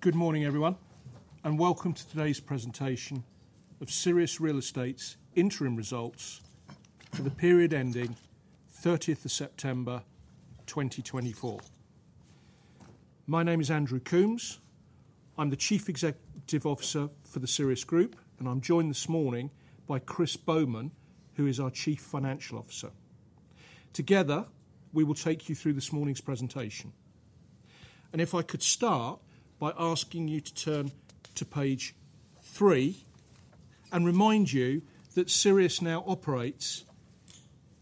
Good morning, everyone, and welcome to today's presentation of Sirius Real Estate's interim results for the period ending 30 September 2024. My name is Andrew Coombs. I'm the Chief Executive Officer for the Sirius Group, and I'm joined this morning by Chris Bowman, who is our Chief Financial Officer. Together, we will take you through this morning's presentation, and if I could start by asking you to turn to page three and remind you that Sirius now operates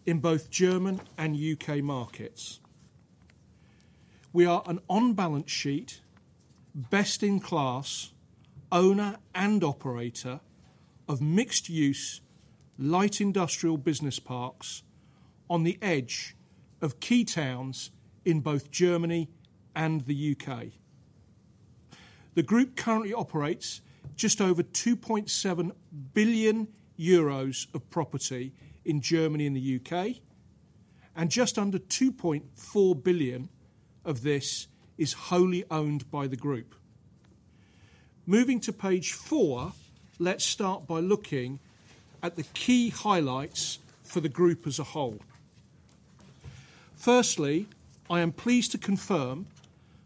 in both German and U.K., markets. We are an on-balance sheet, best-in-class owner and operator of mixed-use light industrial business parks on the edge of key towns in both Germany and the U.K.. The group currently operates just over 2.7 billion euros of property in Germany and the U.K., and just under 2.4 billion of this is wholly owned by the group. Moving to page four, let's start by looking at the key highlights for the group as a whole. Firstly, I am pleased to confirm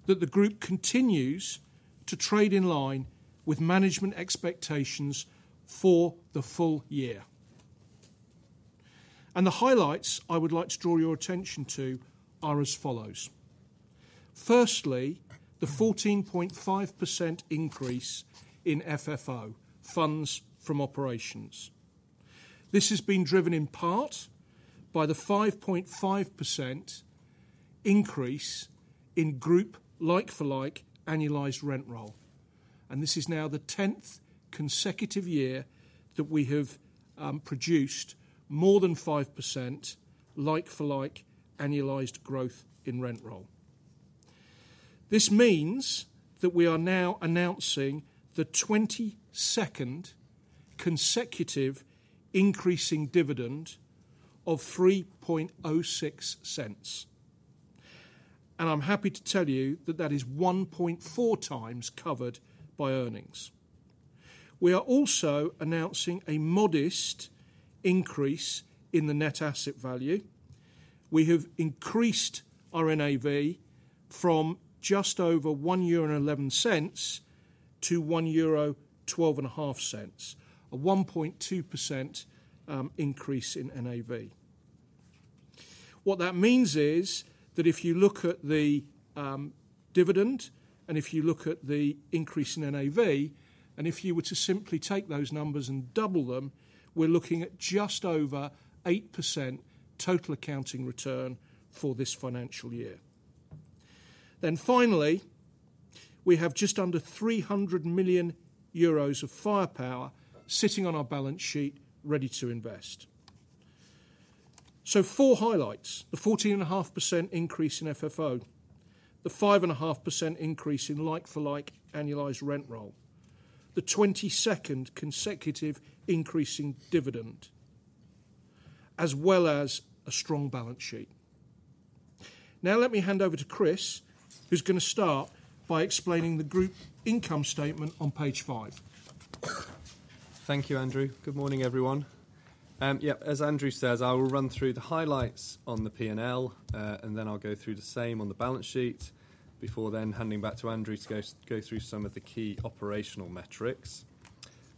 that the group continues to trade in line with management expectations for the full year. And the highlights I would like to draw your attention to are as follows. Firstly, the 14.5% increase in FFO, funds from operations. This has been driven in part by the 5.5% increase in group like-for-like annualized rent roll. And this is now the 10th consecutive year that we have produced more than 5% like-for-like annualized growth in rent roll. This means that we are now announcing the 22nd consecutive increasing dividend of 0.0306. And I'm happy to tell you that that is 1.4 times covered by earnings. We are also announcing a modest increase in the net asset value. We have increased our NAV from just over 1.11 euro to 1.12 euro, a 1.2% increase in NAV. What that means is that if you look at the dividend and if you look at the increase in NAV, and if you were to simply take those numbers and double them, we're looking at just over 8% total accounting return for this financial year. Then finally, we have just under 300 million euros of firepower sitting on our balance sheet ready to invest. So four highlights: the 14.5% increase in FFO, the 5.5% increase in like-for-like annualized rent roll, the 22nd consecutive increase in dividend, as well as a strong balance sheet. Now let me hand over to Chris, who's going to start by explaining the group income statement on page five. Thank you, Andrew. Good morning, everyone. Yeah, as Andrew says, I will run through the highlights on the P&L, and then I'll go through the same on the balance sheet before then handing back to Andrew to go through some of the key operational metrics.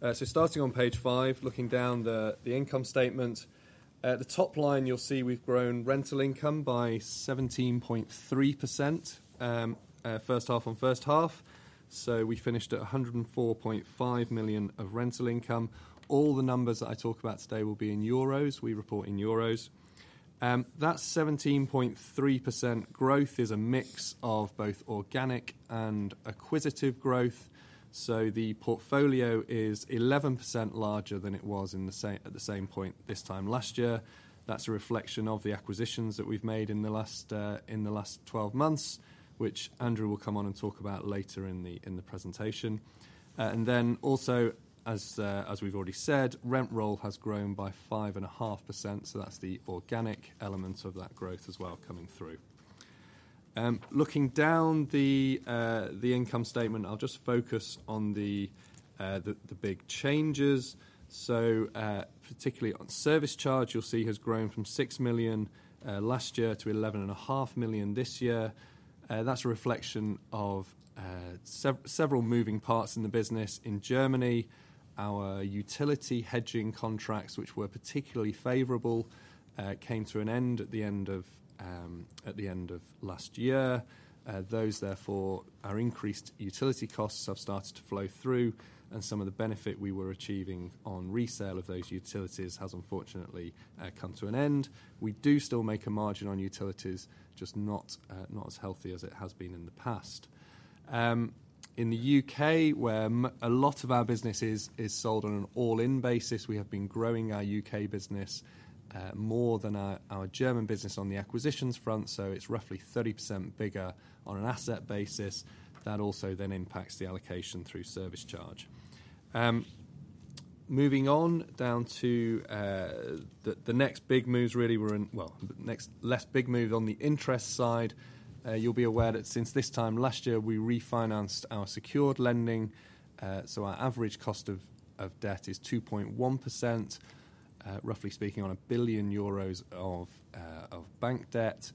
So starting on page five, looking down the income statement, at the top line you'll see we've grown rental income by 17.3% first half on first half. So we finished at 104.5 million of rental income. All the numbers that I talk about today will be in Euros. We report in Euros. That 17.3% growth is a mix of both organic and acquisitive growth. So the portfolio is 11% larger than it was at the same point this time last year. That's a reflection of the acquisitions that we've made in the last 12 months, which Andrew will come on and talk about later in the presentation, and then also, as we've already said, rent roll has grown by 5.5%, so that's the organic element of that growth as well coming through. Looking down the income statement, I'll just focus on the big changes, so particularly on service charge, you'll see has grown from 6 million last year to 11.5 million this year. That's a reflection of several moving parts in the business in Germany. Our utility hedging contracts, which were particularly favorable, came to an end at the end of last year. Those, therefore, our increased utility costs have started to flow through, and some of the benefit we were achieving on resale of those utilities has unfortunately come to an end. We do still make a margin on utilities, just not as healthy as it has been in the past. In the U.K., where a lot of our business is sold on an all-in basis, we have been growing our U.K. business more than our German business on the acquisitions front. So it's roughly 30% bigger on an asset basis. That also then impacts the allocation through service charge. Moving on down to the next big moves, really, well, next less big move on the interest side. You'll be aware that since this time last year, we refinanced our secured lending. So our average cost of debt is 2.1%, roughly speaking on 1 billion euros of bank debt.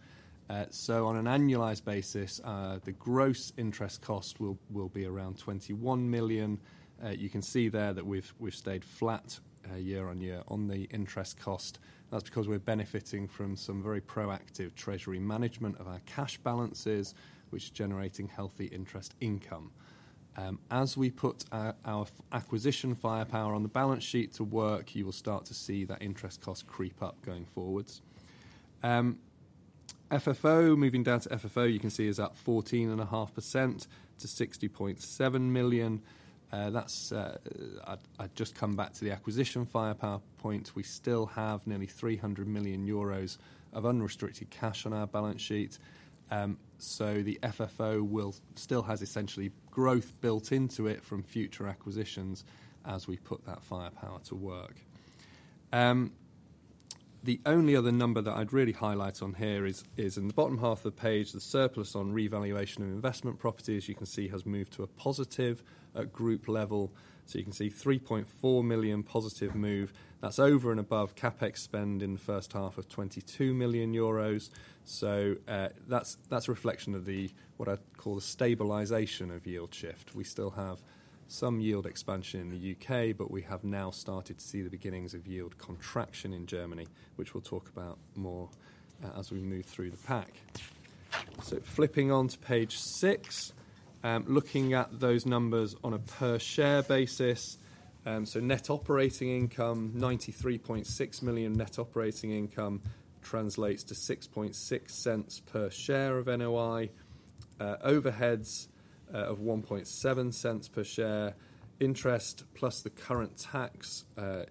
So on an annualized basis, the gross interest cost will be around 21 million. You can see there that we've stayed flat year-on-year on the interest cost. That's because we're benefiting from some very proactive treasury management of our cash balances, which is generating healthy interest income. As we put our acquisition firepower on the balance sheet to work, you will start to see that interest cost creep up going forwards. FFO, moving down to FFO, you can see is at 14.5% to 60.7 million. That's. I just come back to the acquisition firepower point. We still have nearly 300 million euros of unrestricted cash on our balance sheet. So the FFO will still have essentially growth built into it from future acquisitions as we put that firepower to work. The only other number that I'd really highlight on here is in the bottom half of the page, the surplus on revaluation of investment properties, you can see has moved to a positive group level. So you can see 3.4 million positive move. That's over and above CapEx spend in the first half of 22 million euros. So that's a reflection of what I call a stabilization of yield shift. We still have some yield expansion in the U.K., but we have now started to see the beginnings of yield contraction in Germany, which we'll talk about more as we move through the pack. So flipping on to page six, looking at those numbers on a per-share basis. So net operating income, 93.6 million net operating income translates to 6.6 cents per share of NOI. Overheads of 1.7 cents per share. Interest plus the current tax of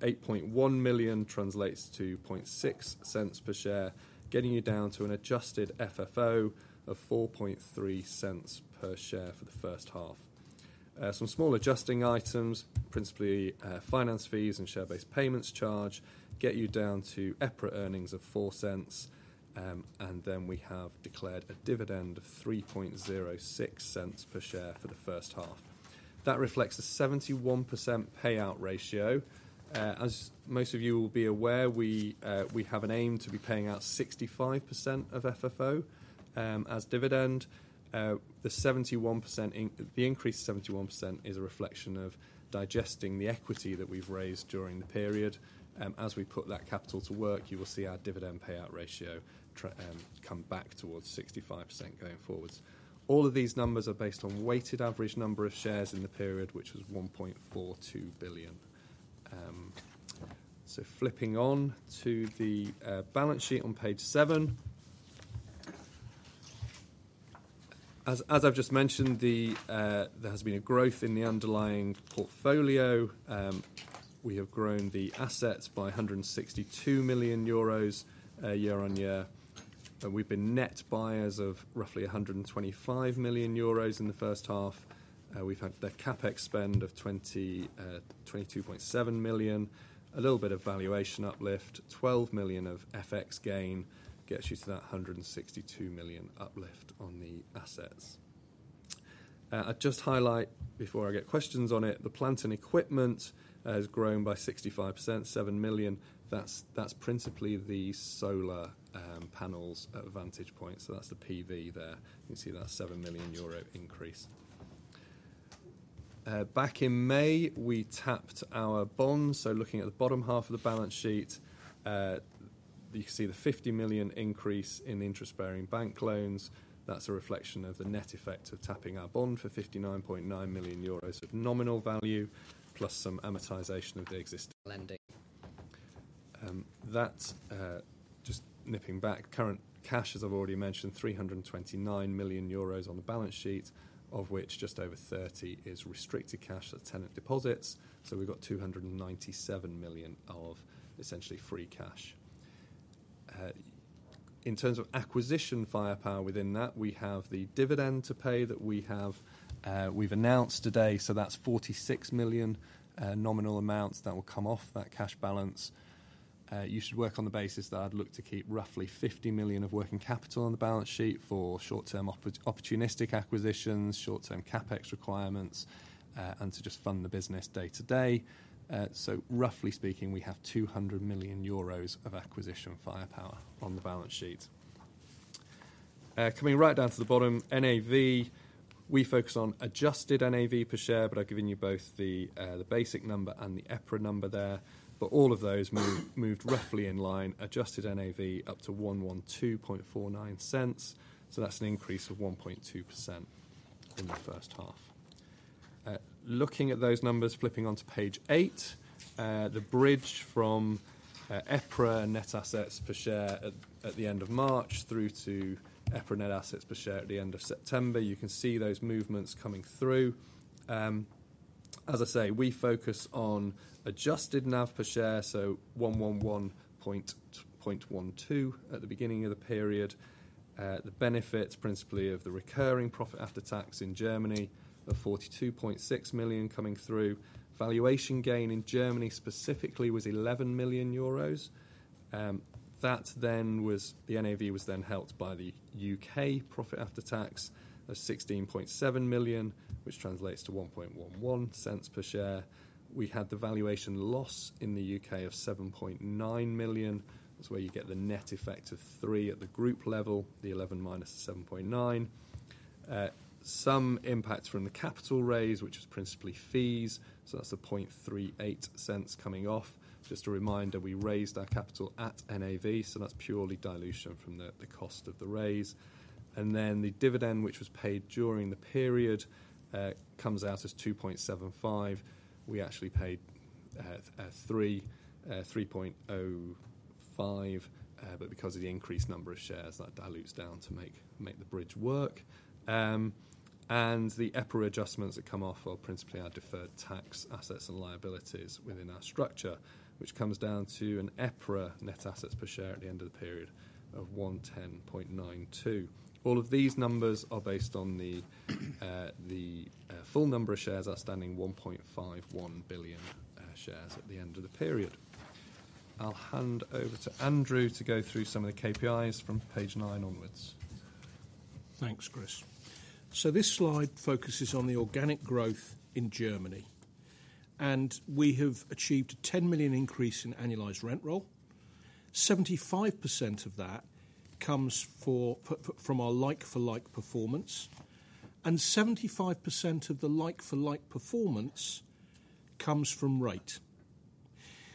8.1 million translates to 0.6 cents per share, getting you down to an adjusted FFO of 4.3 cents per share for the first half. Some small adjusting items, principally finance fees and share-based payments charge, get you down to EPRA earnings of 4 cents. We have declared a dividend of 0.0306 per share for the first half. That reflects a 71% payout ratio. As most of you will be aware, we have an aim to be paying out 65% of FFO as dividend. The increase of 71% is a reflection of digesting the equity that we've raised during the period. As we put that capital to work, you will see our dividend payout ratio come back towards 65% going forwards. All of these numbers are based on weighted average number of shares in the period, which was 1.42 billion. Flipping on to the balance sheet on page seven. As I've just mentioned, there has been a growth in the underlying portfolio. We have grown the assets by 162 million euros year-on-year. We've been net buyers of roughly 125 million euros in the first half. We've had the CapEx spend of 22.7 million. A little bit of valuation uplift, 12 million of FX gain gets you to that 162 million uplift on the assets. I'd just highlight, before I get questions on it, the plant and equipment has grown by 65%, 7 million. That's principally the solar panels at Vantage Point. So that's the PV there. You can see that's 7 million euro increase. Back in May, we tapped our bonds. So looking at the bottom half of the balance sheet, you can see the 50 million increase in interest-bearing bank loans. That's a reflection of the net effect of tapping our bond for 59.9 million euros of nominal value plus some amortization of the existing lending. That's just netting back current cash, as I've already mentioned, 329 million euros on the balance sheet, of which just over 30 is restricted cash or tenant deposits. So we've got 297 million of essentially free cash. In terms of acquisition firepower within that, we have the dividend to pay that we've announced today. So that's 46 million nominal amounts that will come off that cash balance. You should work on the basis that I'd look to keep roughly 50 million of working capital on the balance sheet for short-term opportunistic acquisitions, short-term CapEx requirements, and to just fund the business day to day. So roughly speaking, we have 200 million euros of acquisition firepower on the balance sheet. Coming right down to the bottom, NAV. We focus on adjusted NAV per share, but I've given you both the basic number and the EPRA number there. But all of those moved roughly in line. Adjusted NAV up to 112.49. So that's an increase of 1.2% in the first half. Looking at those numbers, flipping onto page eight, the bridge from EPRA net assets per share at the end of March through to EPRA net assets per share at the end of September, you can see those movements coming through. As I say, we focus on adjusted NAV per share, so 111.12 at the beginning of the period. The benefits, principally of the recurring profit after tax in Germany, of 42.6 million coming through. Valuation gain in Germany specifically was 11 million euros. That then the NAV was helped by the U.K. profit after tax of 16.7 million, which translates to 0.0111 per share. We had the valuation loss in the U.K. of 7.9 million. That's where you get the net effect of three at the group level, the 11 minus the 7.9. Some impact from the capital raise, which is principally fees. That's the 0.0038 coming off. Just a reminder, we raised our capital at NAV, so that's purely dilution from the cost of the raise. Then the dividend, which was paid during the period, comes out as 0.0275. We actually paid 0.0305, but because of the increased number of shares, that dilutes down to make the bridge work. The EPRA adjustments that come off are principally our deferred tax assets and liabilities within our structure, which comes down to an EPRA net assets per share at the end of the period of 110.92. All of these numbers are based on the full number of shares outstanding, 1.51 billion shares at the end of the period. I'll hand over to Andrew to go through some of the KPIs from page nine onwards. Thanks, Chris. So this slide focuses on the organic growth in Germany, and we have achieved a 10 million increase in annualized rent roll. 75% of that comes from our like-for-like performance, and 75% of the like-for-like performance comes from rate.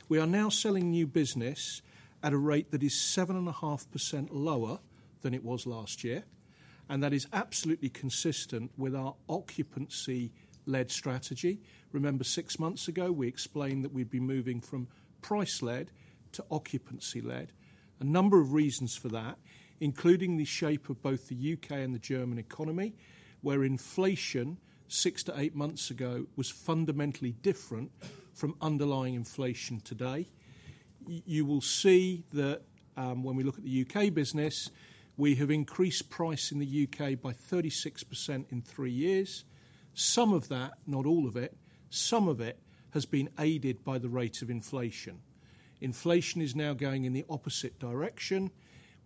We are now selling new business at a rate that is 7.5% lower than it was last year, and that is absolutely consistent with our occupancy-led strategy. Remember, six months ago, we explained that we'd be moving from price-led to occupancy-led. A number of reasons for that, including the shape of both the U.K. and the German economy, where inflation six to eight months ago was fundamentally different from underlying inflation today. You will see that when we look at the U.K. business, we have increased price in the U.K. by 36% in three years. Some of that, not all of it, some of it has been aided by the rate of inflation. Inflation is now going in the opposite direction.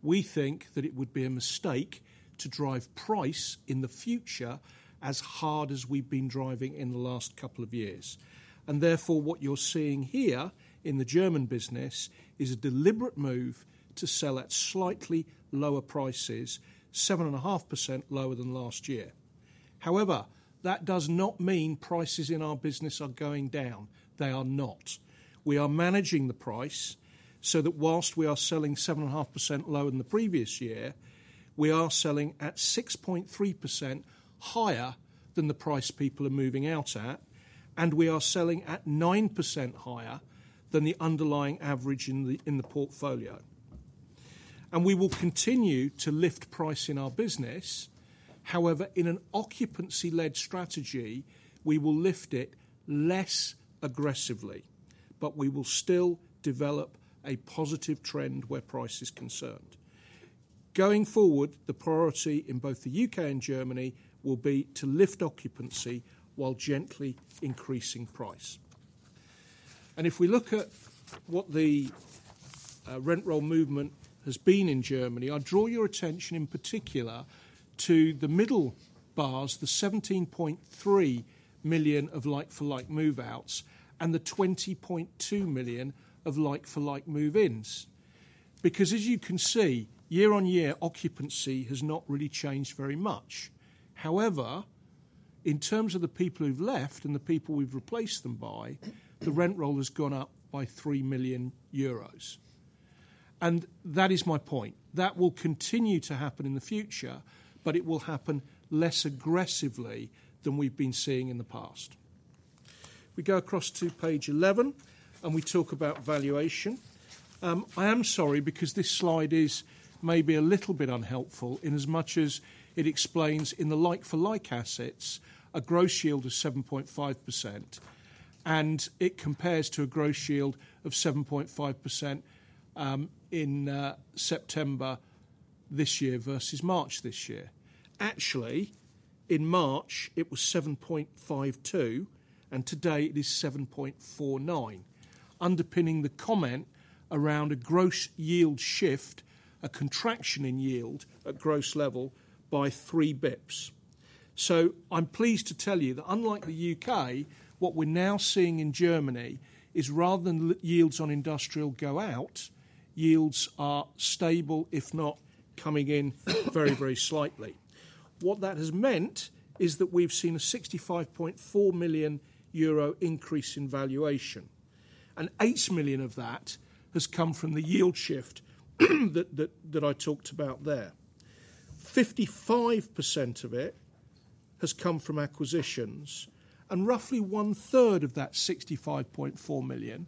We think that it would be a mistake to drive price in the future as hard as we've been driving in the last couple of years. And therefore, what you're seeing here in the German business is a deliberate move to sell at slightly lower prices, 7.5% lower than last year. However, that does not mean prices in our business are going down. They are not. We are managing the price so that while we are selling 7.5% lower than the previous year, we are selling at 6.3% higher than the price people are moving out at, and we are selling at 9% higher than the underlying average in the portfolio. And we will continue to lift price in our business. However, in an occupancy-led strategy, we will lift it less aggressively, but we will still develop a positive trend where price is concerned. Going forward, the priority in both the U.K. and Germany will be to lift occupancy while gently increasing price. And if we look at what the rent roll movement has been in Germany, I draw your attention in particular to the middle bars, the 17.3 million of like-for-like move-outs and the 20.2 million of like-for-like move-ins. Because as you can see, year-on-year, occupancy has not really changed very much. However, in terms of the people who've left and the people we've replaced them by, the rent roll has gone up by 3 million euros. And that is my point. That will continue to happen in the future, but it will happen less aggressively than we've been seeing in the past. We go across to page 11, and we talk about valuation. I am sorry because this slide is maybe a little bit unhelpful in as much as it explains in the like-for-like assets a gross yield of 7.5%, and it compares to a gross yield of 7.5% in September this year versus March this year. Actually, in March, it was 7.52, and today it is 7.49, underpinning the comment around a gross yield shift, a contraction in yield at gross level by three basis points. So I'm pleased to tell you that unlike the U.K., what we're now seeing in Germany is rather than yields on industrial go out, yields are stable, if not coming in very, very slightly. What that has meant is that we've seen a 65.4 million euro increase in valuation, and 8 million of that has come from the yield shift that I talked about there. 55% of it has come from acquisitions, and roughly one-third of that 65.4 million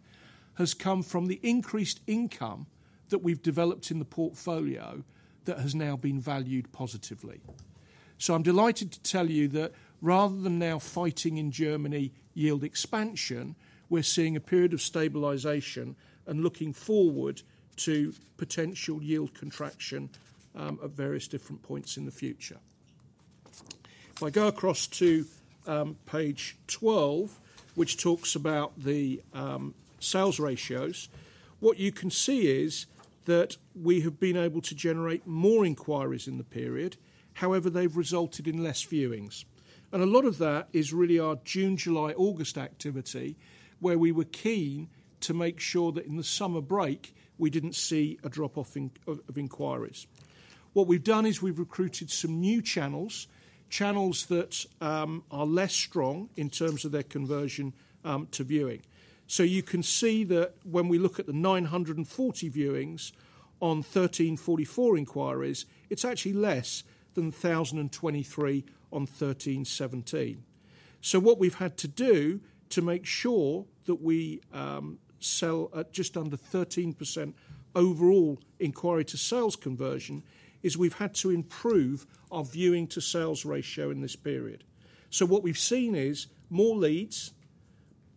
has come from the increased income that we've developed in the portfolio that has now been valued positively. So I'm delighted to tell you that rather than now fighting in Germany yield expansion, we're seeing a period of stabilization and looking forward to potential yield contraction at various different points in the future. If I go across to page 12, which talks about the sales ratios, what you can see is that we have been able to generate more inquiries in the period. However, they've resulted in less viewings. And a lot of that is really our June, July, August activity where we were keen to make sure that in the summer break, we didn't see a drop-off of inquiries. What we've done is we've recruited some new channels, channels that are less strong in terms of their conversion to viewing, so you can see that when we look at the 940 viewings on 1,344 inquiries, it's actually less than 1,023 on 1,317, so what we've had to do to make sure that we sell at just under 13% overall inquiry-to-sales conversion is we've had to improve our viewing-to-sales ratio in this period, so what we've seen is more leads,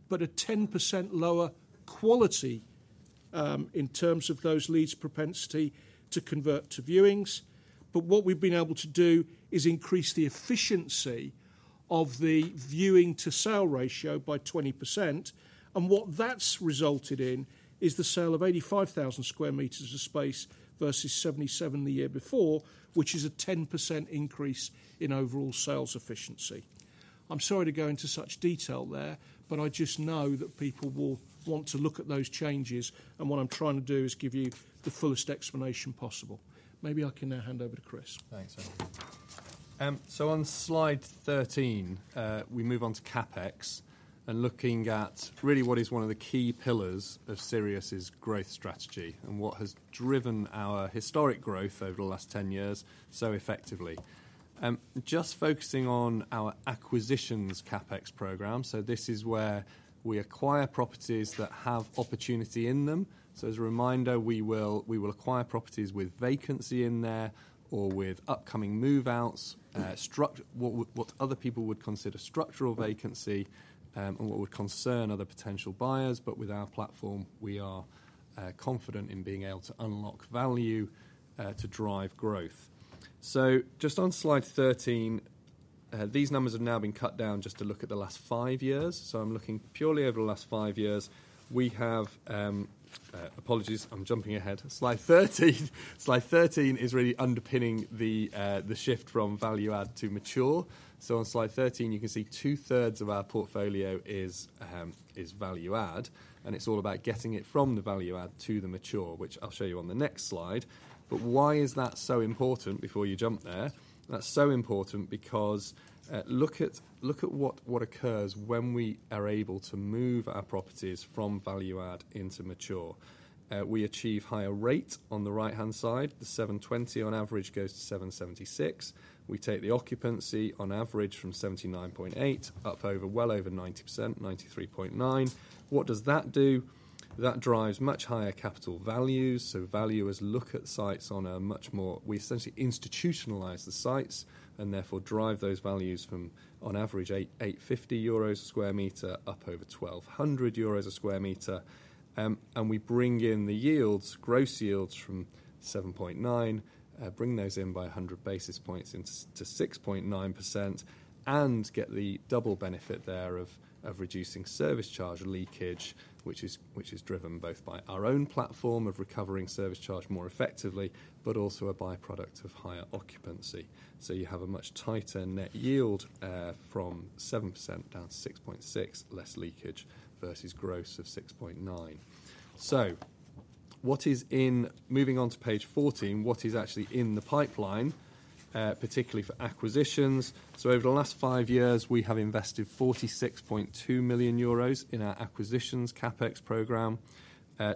but a 10% lower quality in terms of those leads' propensity to convert to viewings, but what we've been able to do is increase the efficiency of the viewing-to-sale ratio by 20%, and what that's resulted in is the sale of 85,000 square meters of space versus 77 the year before, which is a 10% increase in overall sales efficiency. I'm sorry to go into such detail there, but I just know that people will want to look at those changes, and what I'm trying to do is give you the fullest explanation possible. Maybe I can now hand over to Chris. Thanks, Andrew. So on slide 13, we move on to CapEx and looking at really what is one of the key pillars of Sirius's growth strategy and what has driven our historic growth over the last 10 years so effectively. Just focusing on our acquisitions CapEx program, so this is where we acquire properties that have opportunity in them. So as a reminder, we will acquire properties with vacancy in there or with upcoming move-outs, what other people would consider structural vacancy, and what would concern other potential buyers. But with our platform, we are confident in being able to unlock value to drive growth. So just on slide 13, these numbers have now been cut down just to look at the last five years. So I'm looking purely over the last five years. We have apologies, I'm jumping ahead. Slide 13 is really underpinning the shift from value-add to mature, so on slide 13, you can see two-thirds of our portfolio is value-add, and it's all about getting it from the value-add to the mature, which I'll show you on the next slide, but why is that so important before you jump there? That's so important because look at what occurs when we are able to move our properties from value-add into mature. We achieve higher rate on the right-hand side. The 720 on average goes to 776. We take the occupancy on average from 79.8% up well over 90%, 93.9%. What does that do? That drives much higher capital values, so valuers look at sites on a much more we essentially institutionalize the sites and therefore drive those values from, on average, 850 euros a square meter up over 1,200 euros a square meter. And we bring in the yields, gross yields from 7.9%, bring those in by 100 basis points to 6.9% and get the double benefit there of reducing service charge leakage, which is driven both by our own platform of recovering service charge more effectively, but also a byproduct of higher occupancy. So you have a much tighter net yield from 7% down to 6.6%, less leakage versus gross of 6.9%. So moving on to page 14, what is actually in the pipeline, particularly for acquisitions? So over the last five years, we have invested 46.2 million euros in our acquisitions CapEx program.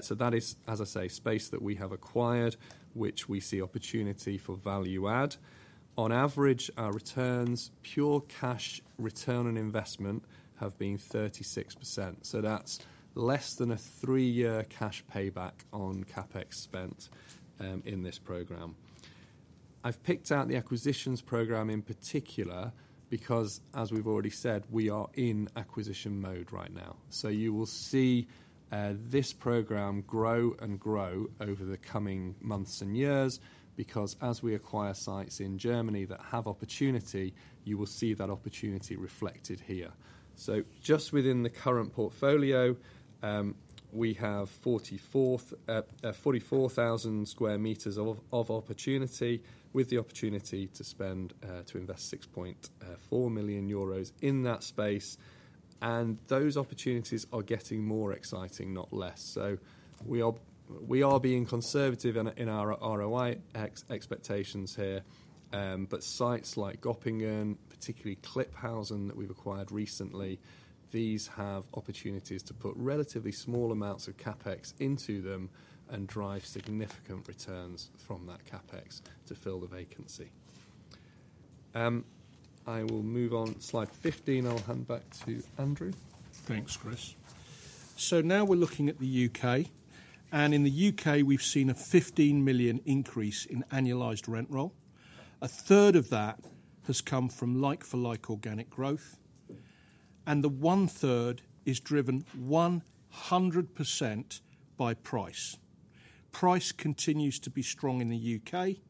So that is, as I say, space that we have acquired, which we see opportunity for value-add. On average, our returns, pure cash return on investment, have been 36%. So that's less than a three-year cash payback on CapEx spent in this program. I've picked out the acquisitions program in particular because, as we've already said, we are in acquisition mode right now. So you will see this program grow and grow over the coming months and years because as we acquire sites in Germany that have opportunity, you will see that opportunity reflected here. So just within the current portfolio, we have 44,000 sq m of opportunity with the opportunity to invest 6.4 million euros in that space. And those opportunities are getting more exciting, not less. So we are being conservative in our ROI expectations here, but sites like Göppingen, particularly Klipphausen that we've acquired recently, these have opportunities to put relatively small amounts of CapEx into them and drive significant returns from that CapEx to fill the vacancy. I will move on. Slide 15, I'll hand back to Andrew. Thanks, Chris. Now we're looking at the U.K. In the U.K., we've seen a 15 million increase in annualized rent roll. A third of that has come from like-for-like organic growth, and the one-third is driven 100% by price. Price continues to be strong in the U.K.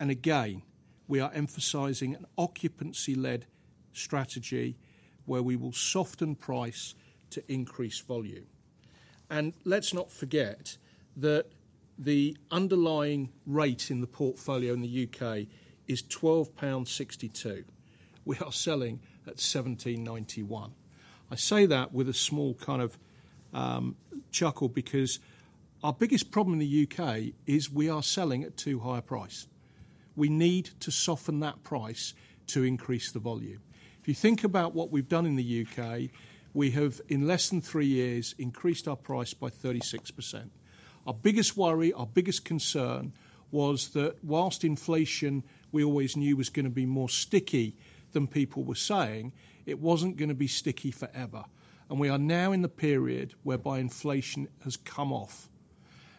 Again, we are emphasizing an occupancy-led strategy where we will soften price to increase volume. Let's not forget that the underlying rate in the portfolio in the U.K. is £12.62. We are selling at £17.91. I say that with a small kind of chuckle because our biggest problem in the U.K. is we are selling at too high a price. We need to soften that price to increase the volume. If you think about what we've done in the U.K., we have, in less than three years, increased our price by 36%. Our biggest worry, our biggest concern was that whilst inflation we always knew was going to be more sticky than people were saying, it wasn't going to be sticky forever, and we are now in the period whereby inflation has come off,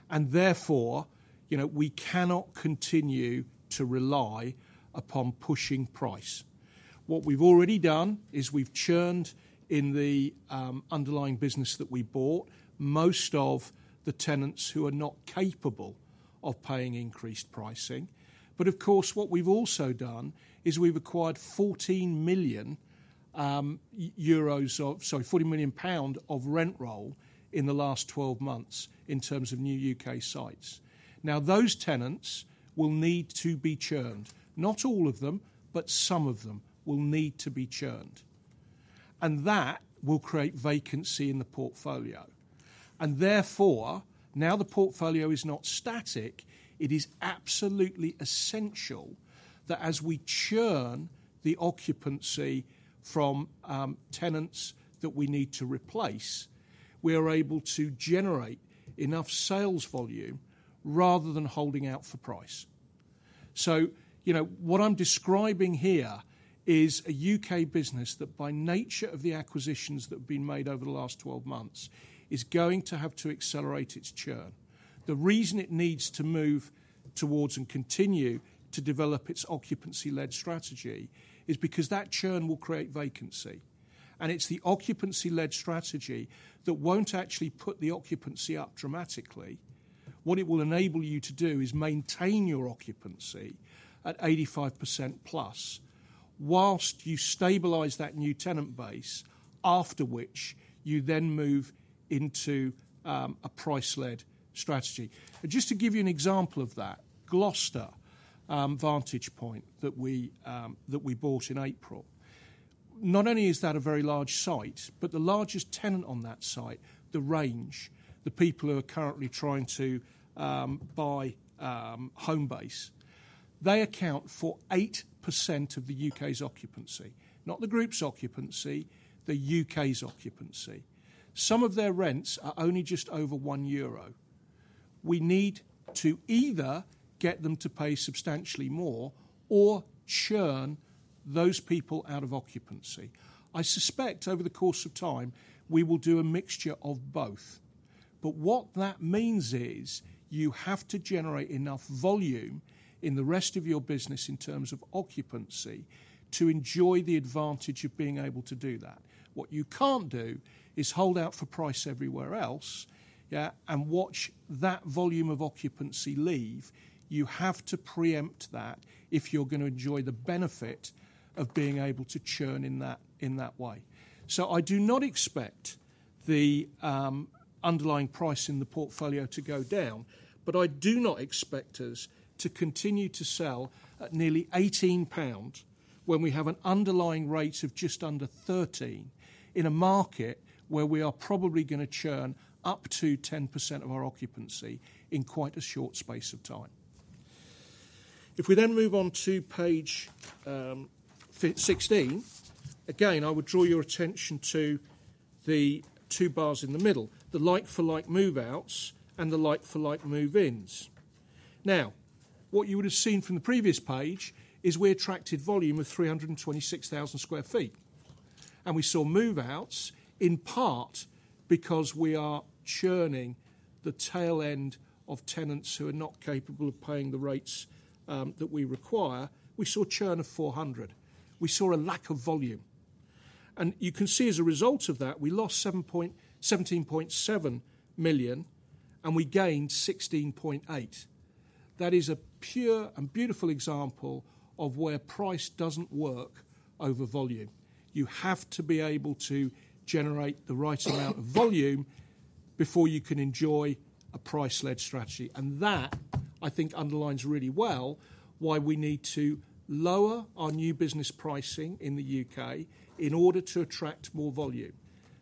and therefore, we cannot continue to rely upon pushing price. What we've already done is we've churned in the underlying business that we bought most of the tenants who are not capable of paying increased pricing, but of course, what we've also done is we've acquired 14 million euros of rent roll in the last 12 months in terms of new U.K. sites. Now, those tenants will need to be churned. Not all of them, but some of them will need to be churned, and that will create vacancy in the portfolio, and therefore, now the portfolio is not static. It is absolutely essential that as we churn the occupancy from tenants that we need to replace, we are able to generate enough sales volume rather than holding out for price. So what I'm describing here is a U.K. business that, by nature of the acquisitions that have been made over the last 12 months, is going to have to accelerate its churn. The reason it needs to move towards and continue to develop its occupancy-led strategy is because that churn will create vacancy. And it's the occupancy-led strategy that won't actually put the occupancy up dramatically. What it will enable you to do is maintain your occupancy at 85% plus whilst you stabilize that new tenant base, after which you then move into a price-led strategy. And just to give you an example of that, Gloucester Vantage Point that we bought in April, not only is that a very large site, but the largest tenant on that site, The Range, the people who are currently trying to buy Homebase, they account for 8% of the U.K.'s occupancy. Not the group's occupancy, the U.K.'s occupancy. Some of their rents are only just over 1 euro. We need to either get them to pay substantially more or churn those people out of occupancy. I suspect over the course of time, we will do a mixture of both. But what that means is you have to generate enough volume in the rest of your business in terms of occupancy to enjoy the advantage of being able to do that. What you can't do is hold out for price everywhere else and watch that volume of occupancy leave. You have to preempt that if you're going to enjoy the benefit of being able to churn in that way. So I do not expect the underlying price in the portfolio to go down, but I do not expect us to continue to sell at nearly 18 pounds when we have an underlying rate of just under 13 in a market where we are probably going to churn up to 10% of our occupancy in quite a short space of time. If we then move on to page 16, again, I would draw your attention to the two bars in the middle, the like-for-like move-outs and the like-for-like move-ins. Now, what you would have seen from the previous page is we attracted volume of 326,000 sq ft. And we saw move-outs in part because we are churning the tail end of tenants who are not capable of paying the rates that we require. We saw churn of 400. We saw a lack of volume. And you can see as a result of that, we lost 17.7 million and we gained 16.8. That is a pure and beautiful example of where price doesn't work over volume. You have to be able to generate the right amount of volume before you can enjoy a price-led strategy. And that, I think, underlines really well why we need to lower our new business pricing in the U.K. in order to attract more volume.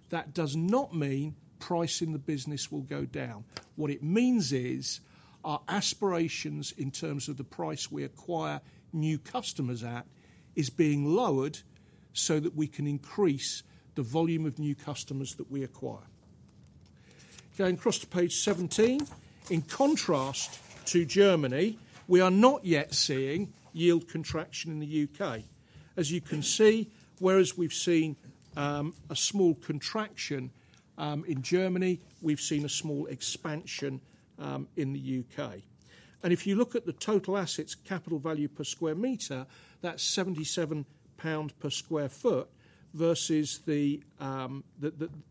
That does not mean pricing the business will go down. What it means is our aspirations in terms of the price we acquire new customers at is being lowered so that we can increase the volume of new customers that we acquire. Going across to page 17, in contrast to Germany, we are not yet seeing yield contraction in the U.K.. As you can see, whereas we've seen a small contraction in Germany, we've seen a small expansion in the U.K., and if you look at the total assets capital value per sq m, that's 77 pounds per sq ft versus the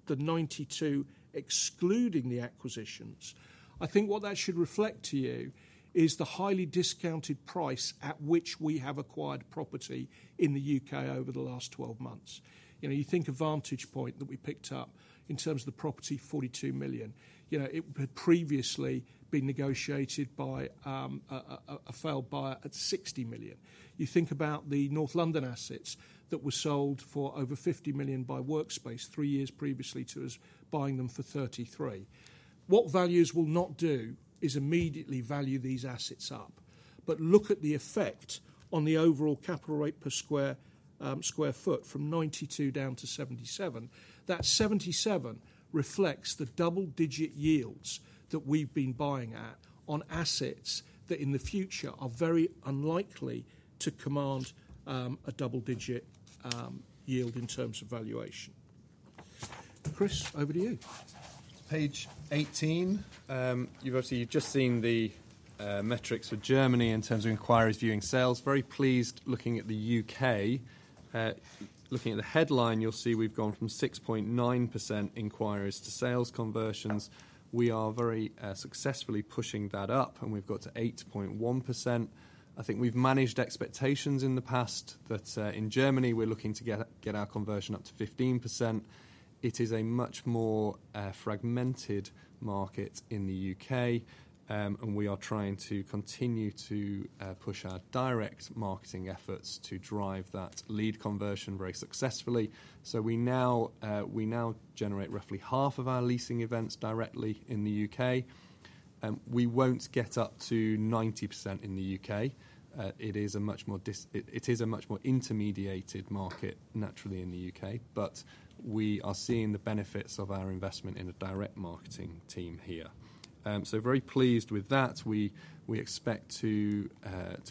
92 excluding the acquisitions. I think what that should reflect to you is the highly discounted price at which we have acquired property in the U.K. over the last 12 months. You think of Vantage Point that we picked up in terms of the property 42 million. It had previously been negotiated by a failed buyer at 60 million. You think about the North London assets that were sold for over 50 million by Workspace three years previously to us buying them for 33 million. What values will not do is immediately value these assets up. But look at the effect on the overall capital rate per sq ft from 92 down to 77. That 77 reflects the double-digit yields that we've been buying at on assets that in the future are very unlikely to command a double-digit yield in terms of valuation. Chris, over to you. Page 18, you've obviously just seen the metrics for Germany in terms of inquiries, viewing, sales. Very pleased looking at the U.K.. Looking at the headline, you'll see we've gone from 6.9% inquiries to sales conversions. We are very successfully pushing that up, and we've got to 8.1%. I think we've managed expectations in the past that in Germany, we're looking to get our conversion up to 15%. It is a much more fragmented market in the U.K., and we are trying to continue to push our direct marketing efforts to drive that lead conversion very successfully. So we now generate roughly half of our leasing events directly in the U.K.. We won't get up to 90% in the U.K.. It is a much more intermediated market, naturally, in the U.K., but we are seeing the benefits of our investment in a direct marketing team here. So very pleased with that. We expect to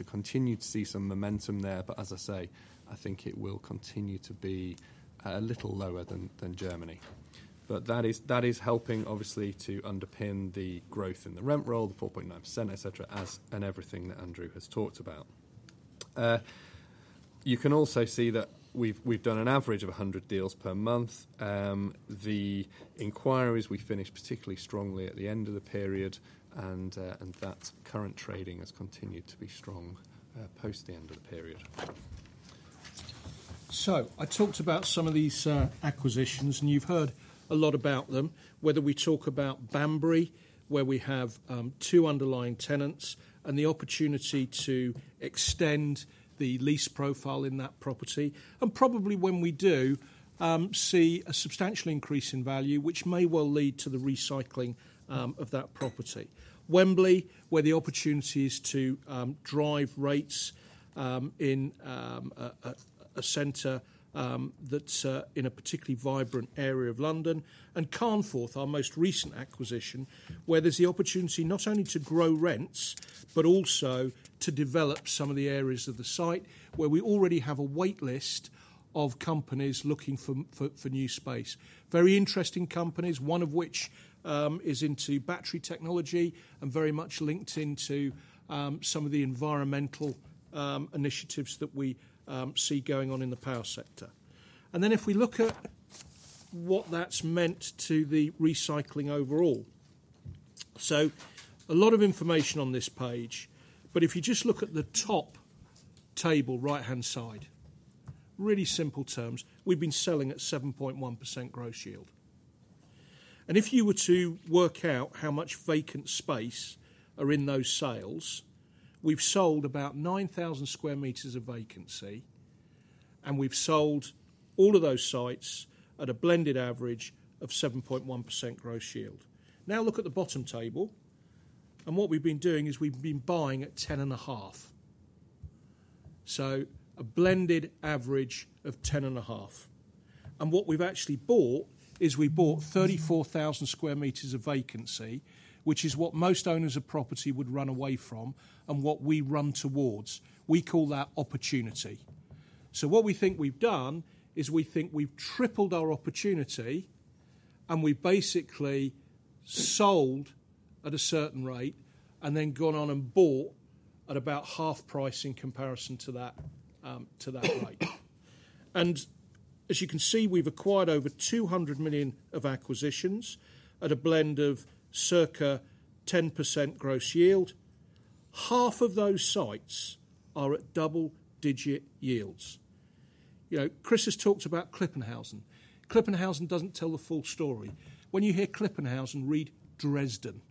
continue to see some momentum there, but as I say, I think it will continue to be a little lower than Germany. But that is helping, obviously, to underpin the growth in the rent roll, the 4.9%, etc., and everything that Andrew has talked about. You can also see that we've done an average of 100 deals per month. The inquiries we finished particularly strongly at the end of the period, and that current trading has continued to be strong post the end of the period. So I talked about some of these acquisitions, and you've heard a lot about them, whether we talk about Banbury, where we have two underlying tenants, and the opportunity to extend the lease profile in that property. And probably when we do, see a substantial increase in value, which may well lead to the recycling of that property. Wembley, where the opportunity is to drive rates in a center that's in a particularly vibrant area of London. And Carnforth, our most recent acquisition, where there's the opportunity not only to grow rents, but also to develop some of the areas of the site where we already have a waitlist of companies looking for new space. Very interesting companies, one of which is into battery technology and very much linked into some of the environmental initiatives that we see going on in the power sector. And then if we look at what that's meant to the recycling overall, so a lot of information on this page, but if you just look at the top table, right-hand side, really simple terms, we've been selling at 7.1% gross yield. And if you were to work out how much vacant space are in those sales, we've sold about 9,000 square meters of vacancy, and we've sold all of those sites at a blended average of 7.1% gross yield. Now look at the bottom table, and what we've been doing is we've been buying at 10.5%. So a blended average of 10.5%. And what we've actually bought is we bought 34,000 square meters of vacancy, which is what most owners of property would run away from and what we run towards. We call that opportunity. So what we think we've done is we think we've tripled our opportunity, and we basically sold at a certain rate and then gone on and bought at about half price in comparison to that rate. And as you can see, we've acquired over 200 million of acquisitions at a blend of circa 10% gross yield. Half of those sites are at double-digit yields. Chris has talked about Klipphausen. Klipphausen doesn't tell the full story. When you hear Klipphausen, read Dresden.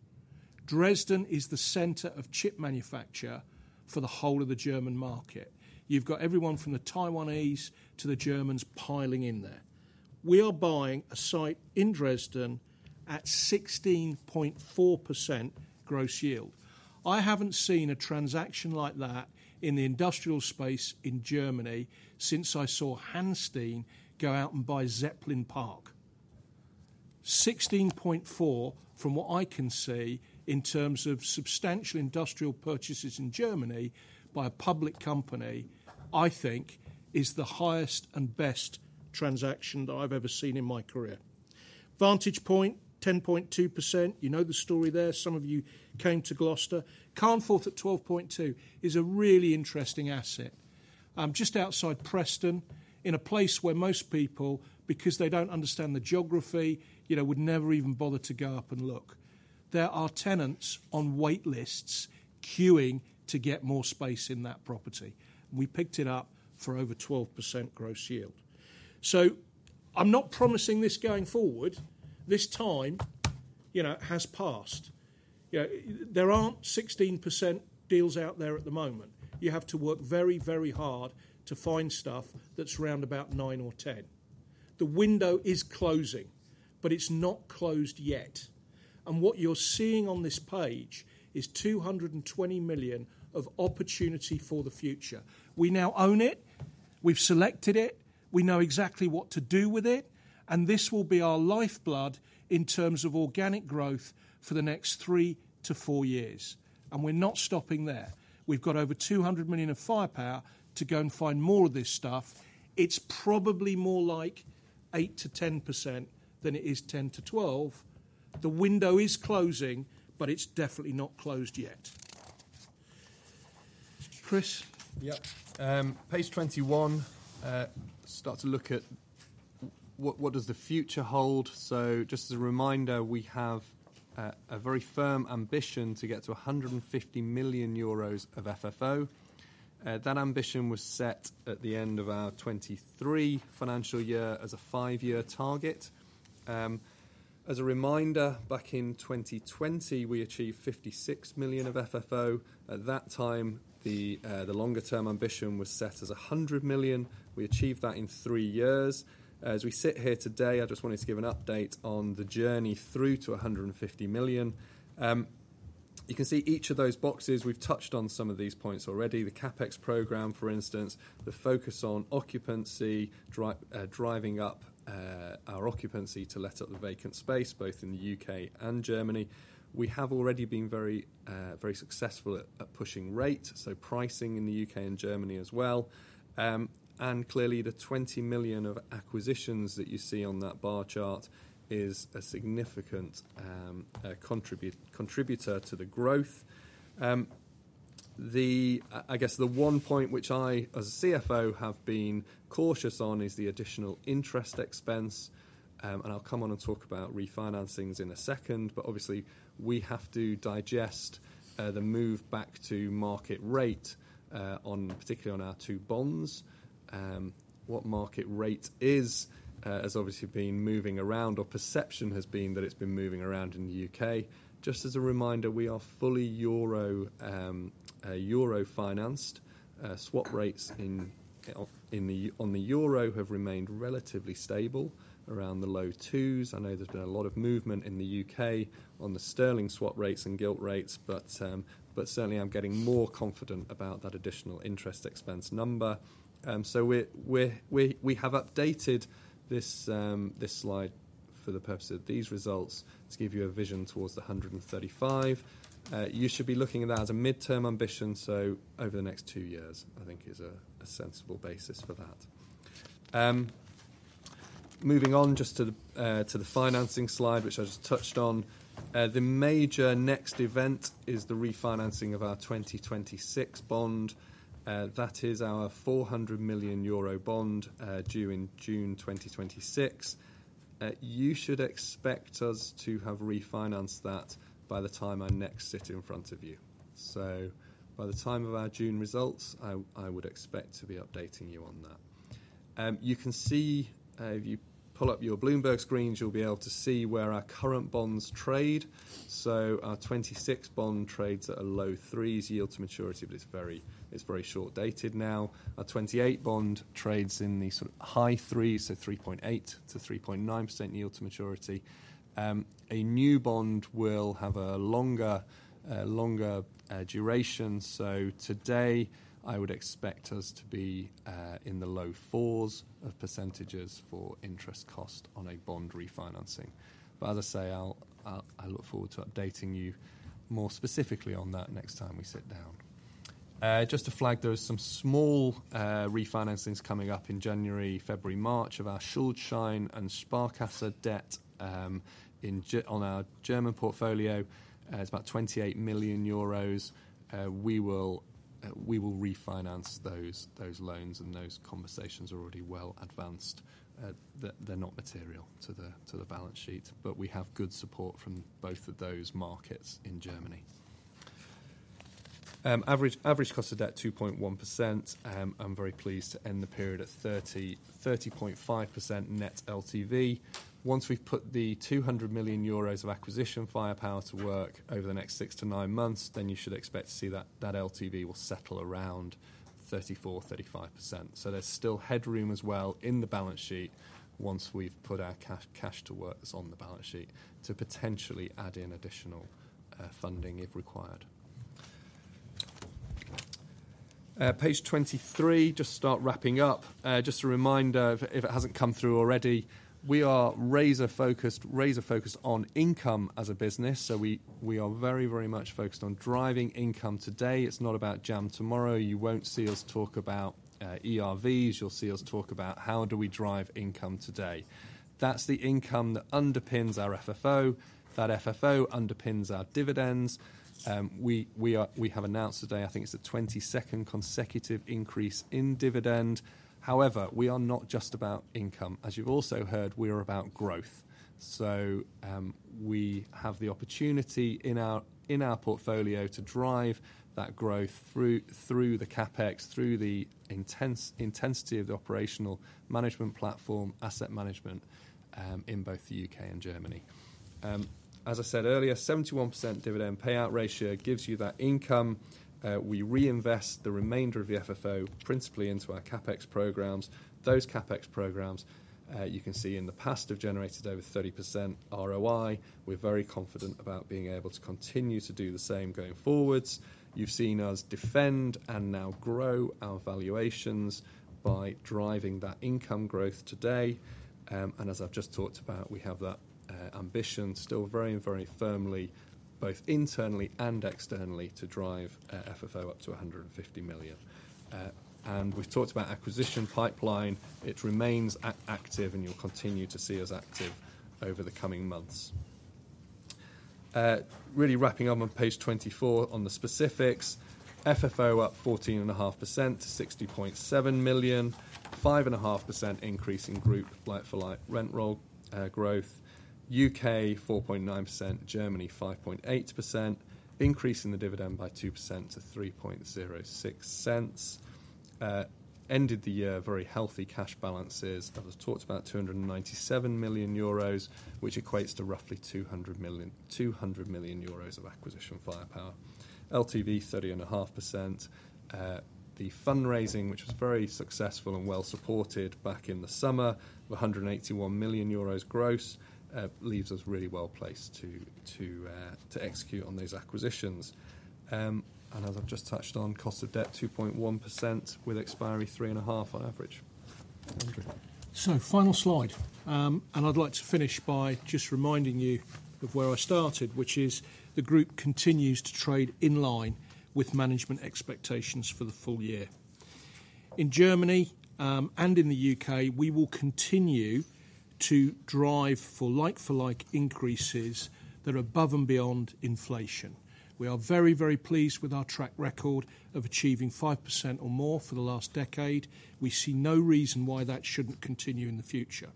Dresden is the center of chip manufacture for the whole of the German market. You've got everyone from the Taiwanese to the Germans piling in there. We are buying a site in Dresden at 16.4% gross yield. I haven't seen a transaction like that in the industrial space in Germany since I saw Hansteen go out and buy Zeppelin Park. 16.4% from what I can see in terms of substantial industrial purchases in Germany by a public company, I think, is the highest and best transaction that I've ever seen in my career. Vantage Point, 10.2%. You know the story there. Some of you came to Gloucester. Carnforth at 12.2% is a really interesting asset. Just outside Preston, in a place where most people, because they don't understand the geography, would never even bother to go up and look. There are tenants on waitlists queuing to get more space in that property. We picked it up for over 12% gross yield. So I'm not promising this going forward. This time has passed. There aren't 16% deals out there at the moment. You have to work very, very hard to find stuff that's round about 9% or 10%. The window is closing, but it's not closed yet. What you're seeing on this page is 220 million of opportunity for the future. We now own it. We've selected it. We know exactly what to do with it. This will be our lifeblood in terms of organic growth for the next three to four years. We're not stopping there. We've got over 200 million of firepower to go and find more of this stuff. It's probably more like 8%-10% than it is 10%-12%. The window is closing, but it's definitely not closed yet. Chris. Yep. Page 21, start to look at what does the future hold. So just as a reminder, we have a very firm ambition to get to 150 million euros of FFO. That ambition was set at the end of our 2023 financial year as a five-year target. As a reminder, back in 2020, we achieved 56 million of FFO. At that time, the longer-term ambition was set as 100 million. We achieved that in three years. As we sit here today, I just wanted to give an update on the journey through to 150 million. You can see each of those boxes, we've touched on some of these points already. The CapEx program, for instance, the focus on occupancy, driving up our occupancy to let out the vacant space, both in the U.K. and Germany. We have already been very successful at pushing rates, so pricing in the U.K. and Germany as well. And clearly, the 20 million of acquisitions that you see on that bar chart is a significant contributor to the growth. I guess the one point which I, as a CFO, have been cautious on is the additional interest expense. And I'll come on and talk about refinancings in a second, but obviously, we have to digest the move back to market rate, particularly on our two bonds. What market rate is, has obviously been moving around, or perception has been that it's been moving around in the U.K. Just as a reminder, we are fully Euro-financed. Swap rates on the EUR o have remained relatively stable around the low twos. I know there's been a lot of movement in the U.K. on the sterling swap rates and gilt rates, but certainly, I'm getting more confident about that additional interest expense number, so we have updated this slide for the purpose of these results to give you a vision towards the 135. You should be looking at that as a midterm ambition, so over the next two years, I think, is a sensible basis for that. Moving on just to the financing slide, which I just touched on, the major next event is the refinancing of our 2026 bond. That is our 400 million euro bond due in June 2026. You should expect us to have refinanced that by the time I next sit in front of you, so by the time of our June results, I would expect to be updating you on that. You can see, if you pull up your Bloomberg screens, you'll be able to see where our current bonds trade. So our '26 bond trades at a low threes yield to maturity, but it's very short-dated now. Our '28 bond trades in the sort of high threes, so 3.8%-3.9% yield to maturity. A new bond will have a longer duration. So today, I would expect us to be in the low fours of percentages for interest cost on a bond refinancing. But as I say, I look forward to updating you more specifically on that next time we sit down. Just to flag, there are some small refinancings coming up in January, February, March of our Schuldschein and Sparkasse debt on our German portfolio. It's about 28 million euros. We will refinance those loans, and those conversations are already well advanced. They're not material to the balance sheet, but we have good support from both of those markets in Germany. Average cost of debt 2.1%. I'm very pleased to end the period at 30.5% net LTV. Once we've put the 200 million euros of acquisition firepower to work over the next six to nine months, then you should expect to see that LTV will settle around 34%-35%. So there's still headroom as well in the balance sheet once we've put our cash to work that's on the balance sheet to potentially add in additional funding if required. Page 23, just to start wrapping up, just a reminder, if it hasn't come through already, we are razor-focused on income as a business. So we are very, very much focused on driving income today. It's not about jam tomorrow. You won't see us talk about ERVs. You'll see us talk about how do we drive income today. That's the income that underpins our FFO. That FFO underpins our dividends. We have announced today, I think it's the 22nd consecutive increase in dividend. However, we are not just about income. As you've also heard, we are about growth. So we have the opportunity in our portfolio to drive that growth through the CapEx, through the intensity of the operational management platform, asset management in both the U.K. and Germany. As I said earlier, 71% dividend payout ratio gives you that income. We reinvest the remainder of the FFO principally into our CapEx programs. Those CapEx programs, you can see in the past, have generated over 30% ROI. We're very confident about being able to continue to do the same going forwards. You've seen us defend and now grow our valuations by driving that income growth today. As I've just talked about, we have that ambition still very and very firmly, both internally and externally, to drive FFO up to 150 million. We've talked about acquisition pipeline. It remains active, and you'll continue to see us active over the coming months. Really wrapping up on page 24 on the specifics, FFO up 14.5% to 60.7 million, 5.5% increase in group like-for-like rent roll growth. U.K., 4.9%, Germany, 5.8%, increasing the dividend by 2% to 3.06 cents. Ended the year with very healthy cash balances. I've just talked about 297 million euros, which equates to roughly 200 million of acquisition firepower. LTV, 30.5%. The fundraising, which was very successful and well-supported back in the summer, 181 million euros gross, leaves us really well placed to execute on those acquisitions. As I've just touched on, cost of debt, 2.1% with expiry three and a half on average. Final slide. I'd like to finish by just reminding you of where I started, which is the group continues to trade in line with management expectations for the full year. In Germany and in the U.K., we will continue to drive for like-for-like increases that are above and beyond inflation. We are very, very pleased with our track record of achieving 5% or more for the last decade. We see no reason why that shouldn't continue in the future.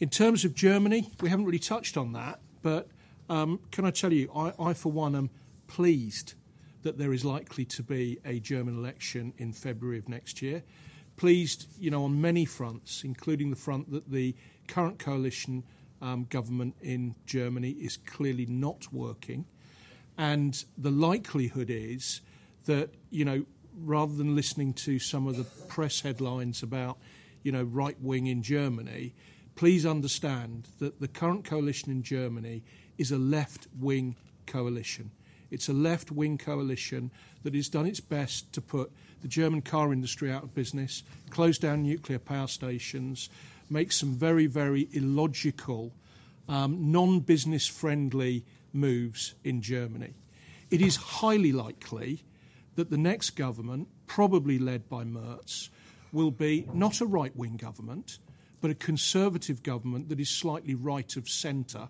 In terms of Germany, we haven't really touched on that, but can I tell you, I for one am pleased that there is likely to be a German election in February of next year. Pleased on many fronts, including the front that the current coalition government in Germany is clearly not working. The likelihood is that rather than listening to some of the press headlines about right-wing in Germany, please understand that the current coalition in Germany is a left-wing coalition. It's a left-wing coalition that has done its best to put the German car industry out of business, close down nuclear power stations, make some very, very illogical, non-business-friendly moves in Germany. It is highly likely that the next government, probably led by Merz, will be not a right-wing government, but a conservative government that is slightly right of center,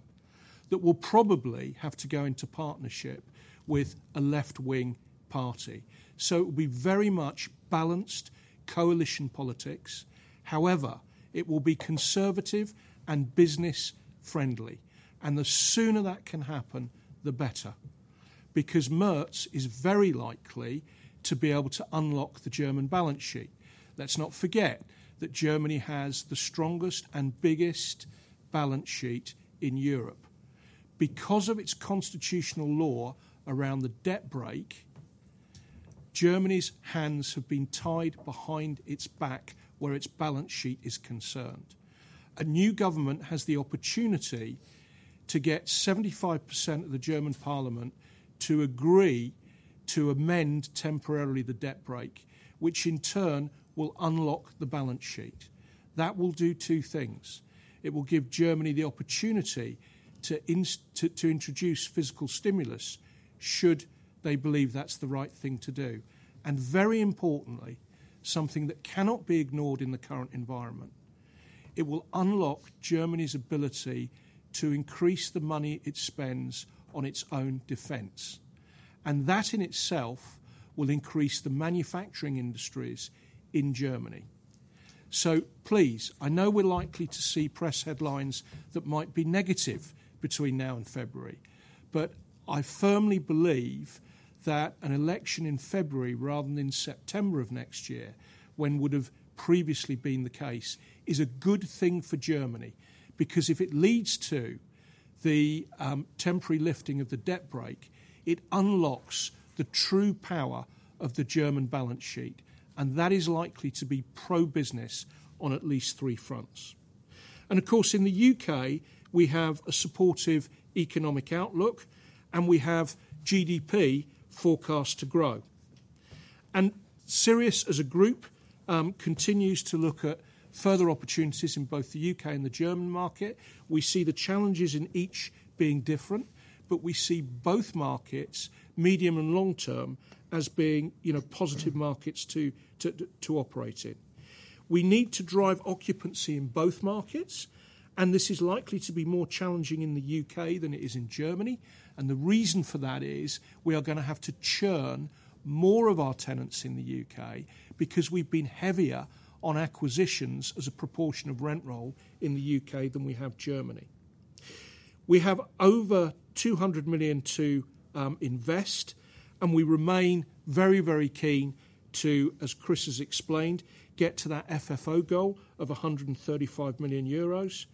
that will probably have to go into partnership with a left-wing party. It will be very much balanced coalition politics. However, it will be conservative and business-friendly. The sooner that can happen, the better, because Merz is very likely to be able to unlock the German balance sheet. Let's not forget that Germany has the strongest and biggest balance sheet in Europe. Because of its constitutional law around the debt brake, Germany's hands have been tied behind its back where its balance sheet is concerned. A new government has the opportunity to get 75% of the German parliament to agree to amend temporarily the debt brake, which in turn will unlock the balance sheet. That will do two things. It will give Germany the opportunity to introduce physical stimulus should they believe that's the right thing to do. And very importantly, something that cannot be ignored in the current environment, it will unlock Germany's ability to increase the money it spends on its own defense. And that in itself will increase the manufacturing industries in Germany. So please, I know we're likely to see press headlines that might be negative between now and February, but I firmly believe that an election in February rather than in September of next year, when would have previously been the case, is a good thing for Germany because if it leads to the temporary lifting of the debt brake, it unlocks the true power of the German balance sheet. And that is likely to be pro-business on at least three fronts. And of course, in the U.K., we have a supportive economic outlook, and we have GDP forecast to grow. And Sirius as a group continues to look at further opportunities in both the U.K. and the German market. We see the challenges in each being different, but we see both markets, medium and long term, as being positive markets to operate in. We need to drive occupancy in both markets, and this is likely to be more challenging in the U.K. than it is in Germany. And the reason for that is we are going to have to churn more of our tenants in the U.K., because we've been heavier on acquisitions as a proportion of rent roll in the U.K. than we have Germany. We have over 200 million to invest, and we remain very, very keen to, as Chris has explained, get to that FFO goal of 135 million euros.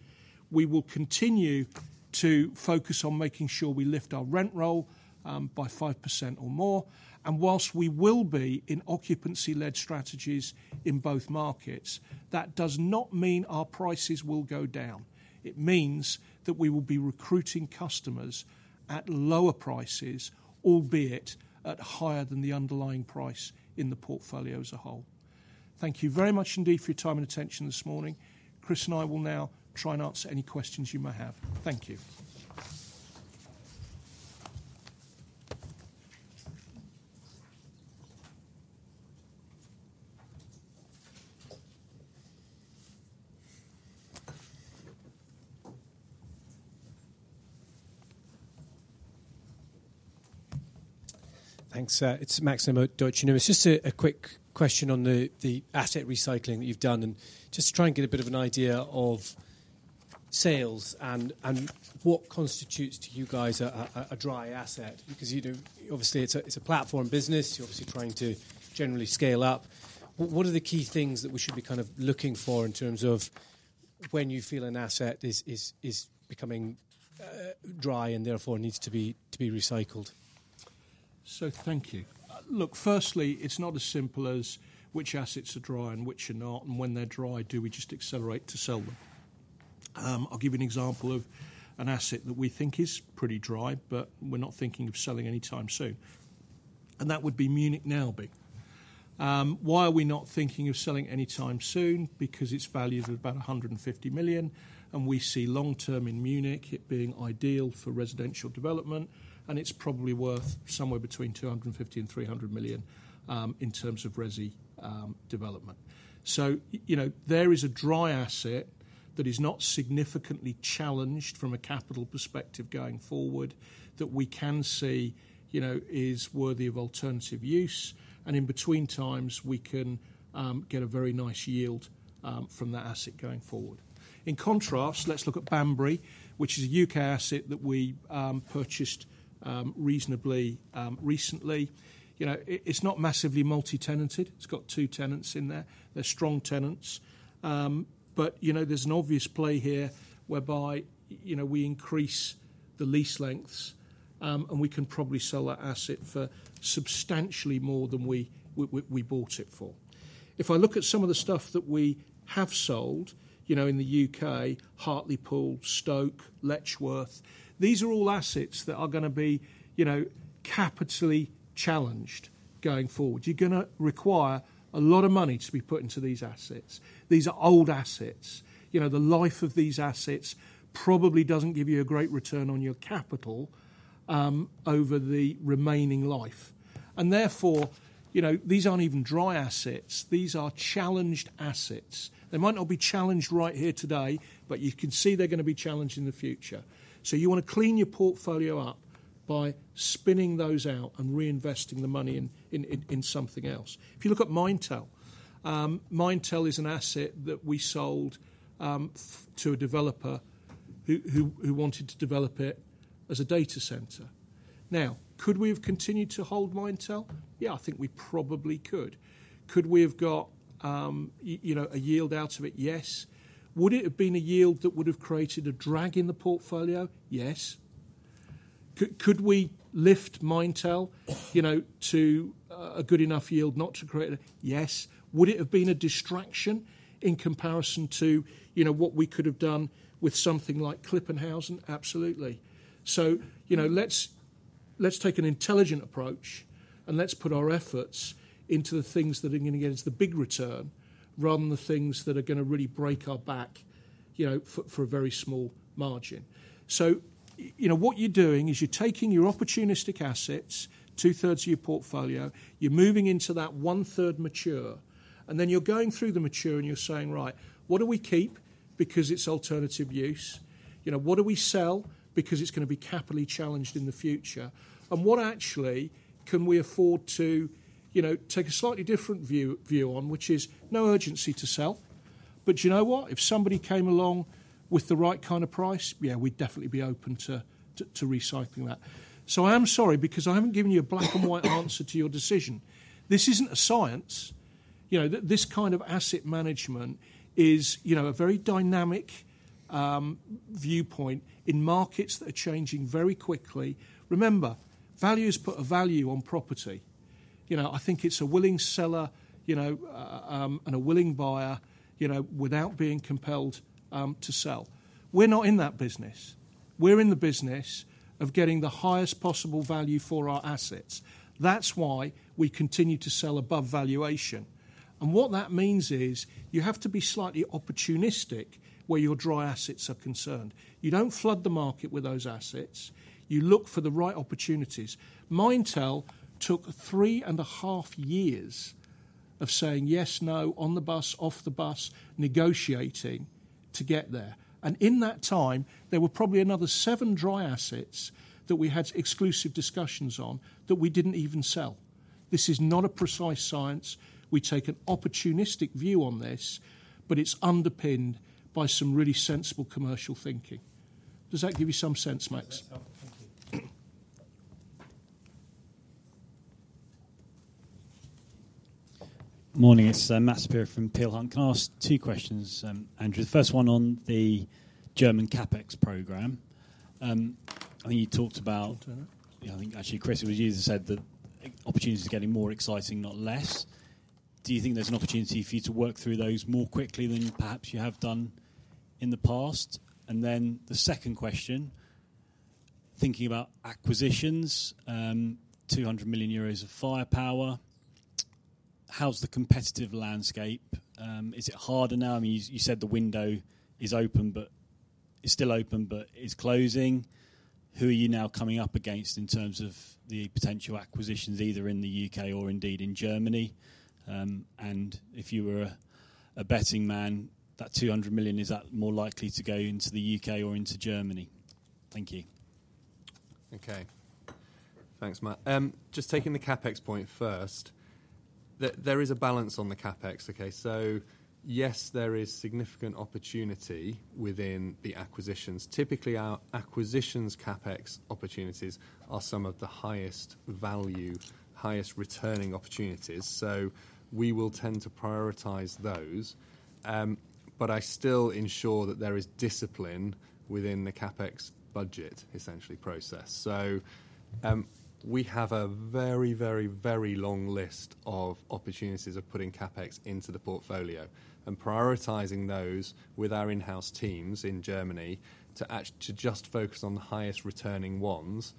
We will continue to focus on making sure we lift our rent roll by 5% or more. And whilst we will be in occupancy-led strategies in both markets, that does not mean our prices will go down. It means that we will be recruiting customers at lower prices, albeit at higher than the underlying price in the portfolio as a whole. Thank you very much indeed for your time and attention this morning. Chris and I will now try and answer any questions you may have. Thank you. Thanks. It's Max Nimmo. It's just a quick question on the asset recycling that you've done. And just to try and get a bit of an idea of sales and what constitutes to you guys a dry asset, because obviously, it's a platform business. You're obviously trying to generally scale up. What are the key things that we should be kind of looking for in terms of when you feel an asset is becoming dry and therefore needs to be recycled? So thank you. Look, firstly, it's not as simple as which assets are dry and which are not, and when they're dry, do we just accelerate to sell them? I'll give you an example of an asset that we think is pretty dry, but we're not thinking of selling anytime soon. And that would be Munich-Neuaubing. Why are we not thinking of selling anytime soon? Because its value is about 150 million, and we see long term in Munich it being ideal for residential development, and it's probably worth somewhere between 250 and 300 million in terms of resi development. So there is a dry asset that is not significantly challenged from a capital perspective going forward that we can see is worthy of alternative use. And in between times, we can get a very nice yield from that asset going forward. In contrast, let's look at Banbury, which is a U.K. asset that we purchased reasonably recently. It's not massively multi-tenanted. It's got two tenants in there. They're strong tenants. But there's an obvious play here whereby we increase the lease lengths, and we can probably sell that asset for substantially more than we bought it for. If I look at some of the stuff that we have sold in the U.K., Hartlepool, Stoke, Letchworth, these are all assets that are going to be capitally challenged going forward. You're going to require a lot of money to be put into these assets. These are old assets. The life of these assets probably doesn't give you a great return on your capital over the remaining life. And therefore, these aren't even dry assets. These are challenged assets. They might not be challenged right here today, but you can see they're going to be challenged in the future. So you want to clean your portfolio up by spinning those out and reinvesting the money in something else. If you look at Maintal, Maintal is an asset that we sold to a developer who wanted to develop it as a data center. Now, could we have continued to hold Maintal? Yeah, I think we probably could. Could we have got a yield out of it? Yes. Would it have been a yield that would have created a drag in the portfolio? Yes. Could we lift Maintal to a good enough yield not to create a drag? Would it have been a distraction in comparison to what we could have done with something like Klipphausen? Absolutely. So let's take an intelligent approach, and let's put our efforts into the things that are going to get us the big return rather than the things that are going to really break our back for a very small margin. So what you're doing is you're taking your opportunistic assets, two-thirds of your portfolio, you're moving into that one-third mature, and then you're going through the mature and you're saying, "Right, what do we keep because it's alternative use? What do we sell because it's going to be capitally challenged in the future? And what actually can we afford to take a slightly different view on, which is no urgency to sell?" But you know what? If somebody came along with the right kind of price, yeah, we'd definitely be open to recycling that." So I am sorry because I haven't given you a black and white answer to your decision. This isn't a science. This kind of asset management is a very dynamic viewpoint in markets that are changing very quickly. Remember, value is put a value on property. I think it's a willing seller and a willing buyer without being compelled to sell. We're not in that business. We're in the business of getting the highest possible value for our assets. That's why we continue to sell above valuation. And what that means is you have to be slightly opportunistic where your dry assets are concerned. You don't flood the market with those assets. You look for the right opportunities. Maintal took three and a half years of saying yes, no, on the bus, off the bus, negotiating to get there. In that time, there were probably another seven dry assets that we had exclusive discussions on that we didn't even sell. This is not a precise science. We take an opportunistic view on this, but it's underpinned by some really sensible commercial thinking. Does that give you some sense, Max? Morning. It's Matthew Saperia from Peel Hunt. Can I ask two questions, Andrew? The first one on the German CapEx program. I think you talked about, I think actually Chris, it was you that said that opportunities are getting more exciting, not less. Do you think there's an opportunity for you to work through those more quickly than perhaps you have done in the past? And then the second question, thinking about acquisitions, 200 million euros of firepower, how's the competitive landscape? Is it harder now? I mean, you said the window is open, but it's still open, but it's closing. Who are you now coming up against in terms of the potential acquisitions, either in the U.K. or indeed in Germany? And if you were a betting man, that 200 million, is that more likely to go into the U.K. or into Germany? Thank you. Okay. Thanks, Matt. Just taking the CapEx point first, there is a balance on the CapEx. Okay. So yes, there is significant opportunity within the acquisitions. Typically, our acquisitions CapEx opportunities are some of the highest value, highest returning opportunities. So we will tend to prioritize those. But I still ensure that there is discipline within the CapEx budget, essentially, process. So we have a very, very, very long list of opportunities of putting CapEx into the portfolio and prioritizing those with our in-house teams in Germany to just focus on the highest returning ones.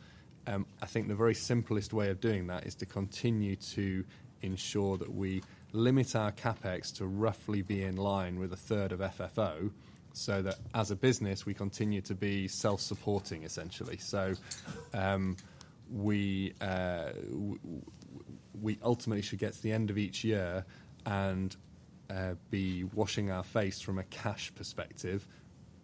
I think the very simplest way of doing that is to continue to ensure that we limit our CapEx to roughly be in line with a third of FFO so that as a business, we continue to be self-supporting, essentially. So we ultimately should get to the end of each year and be washing our face from a cash perspective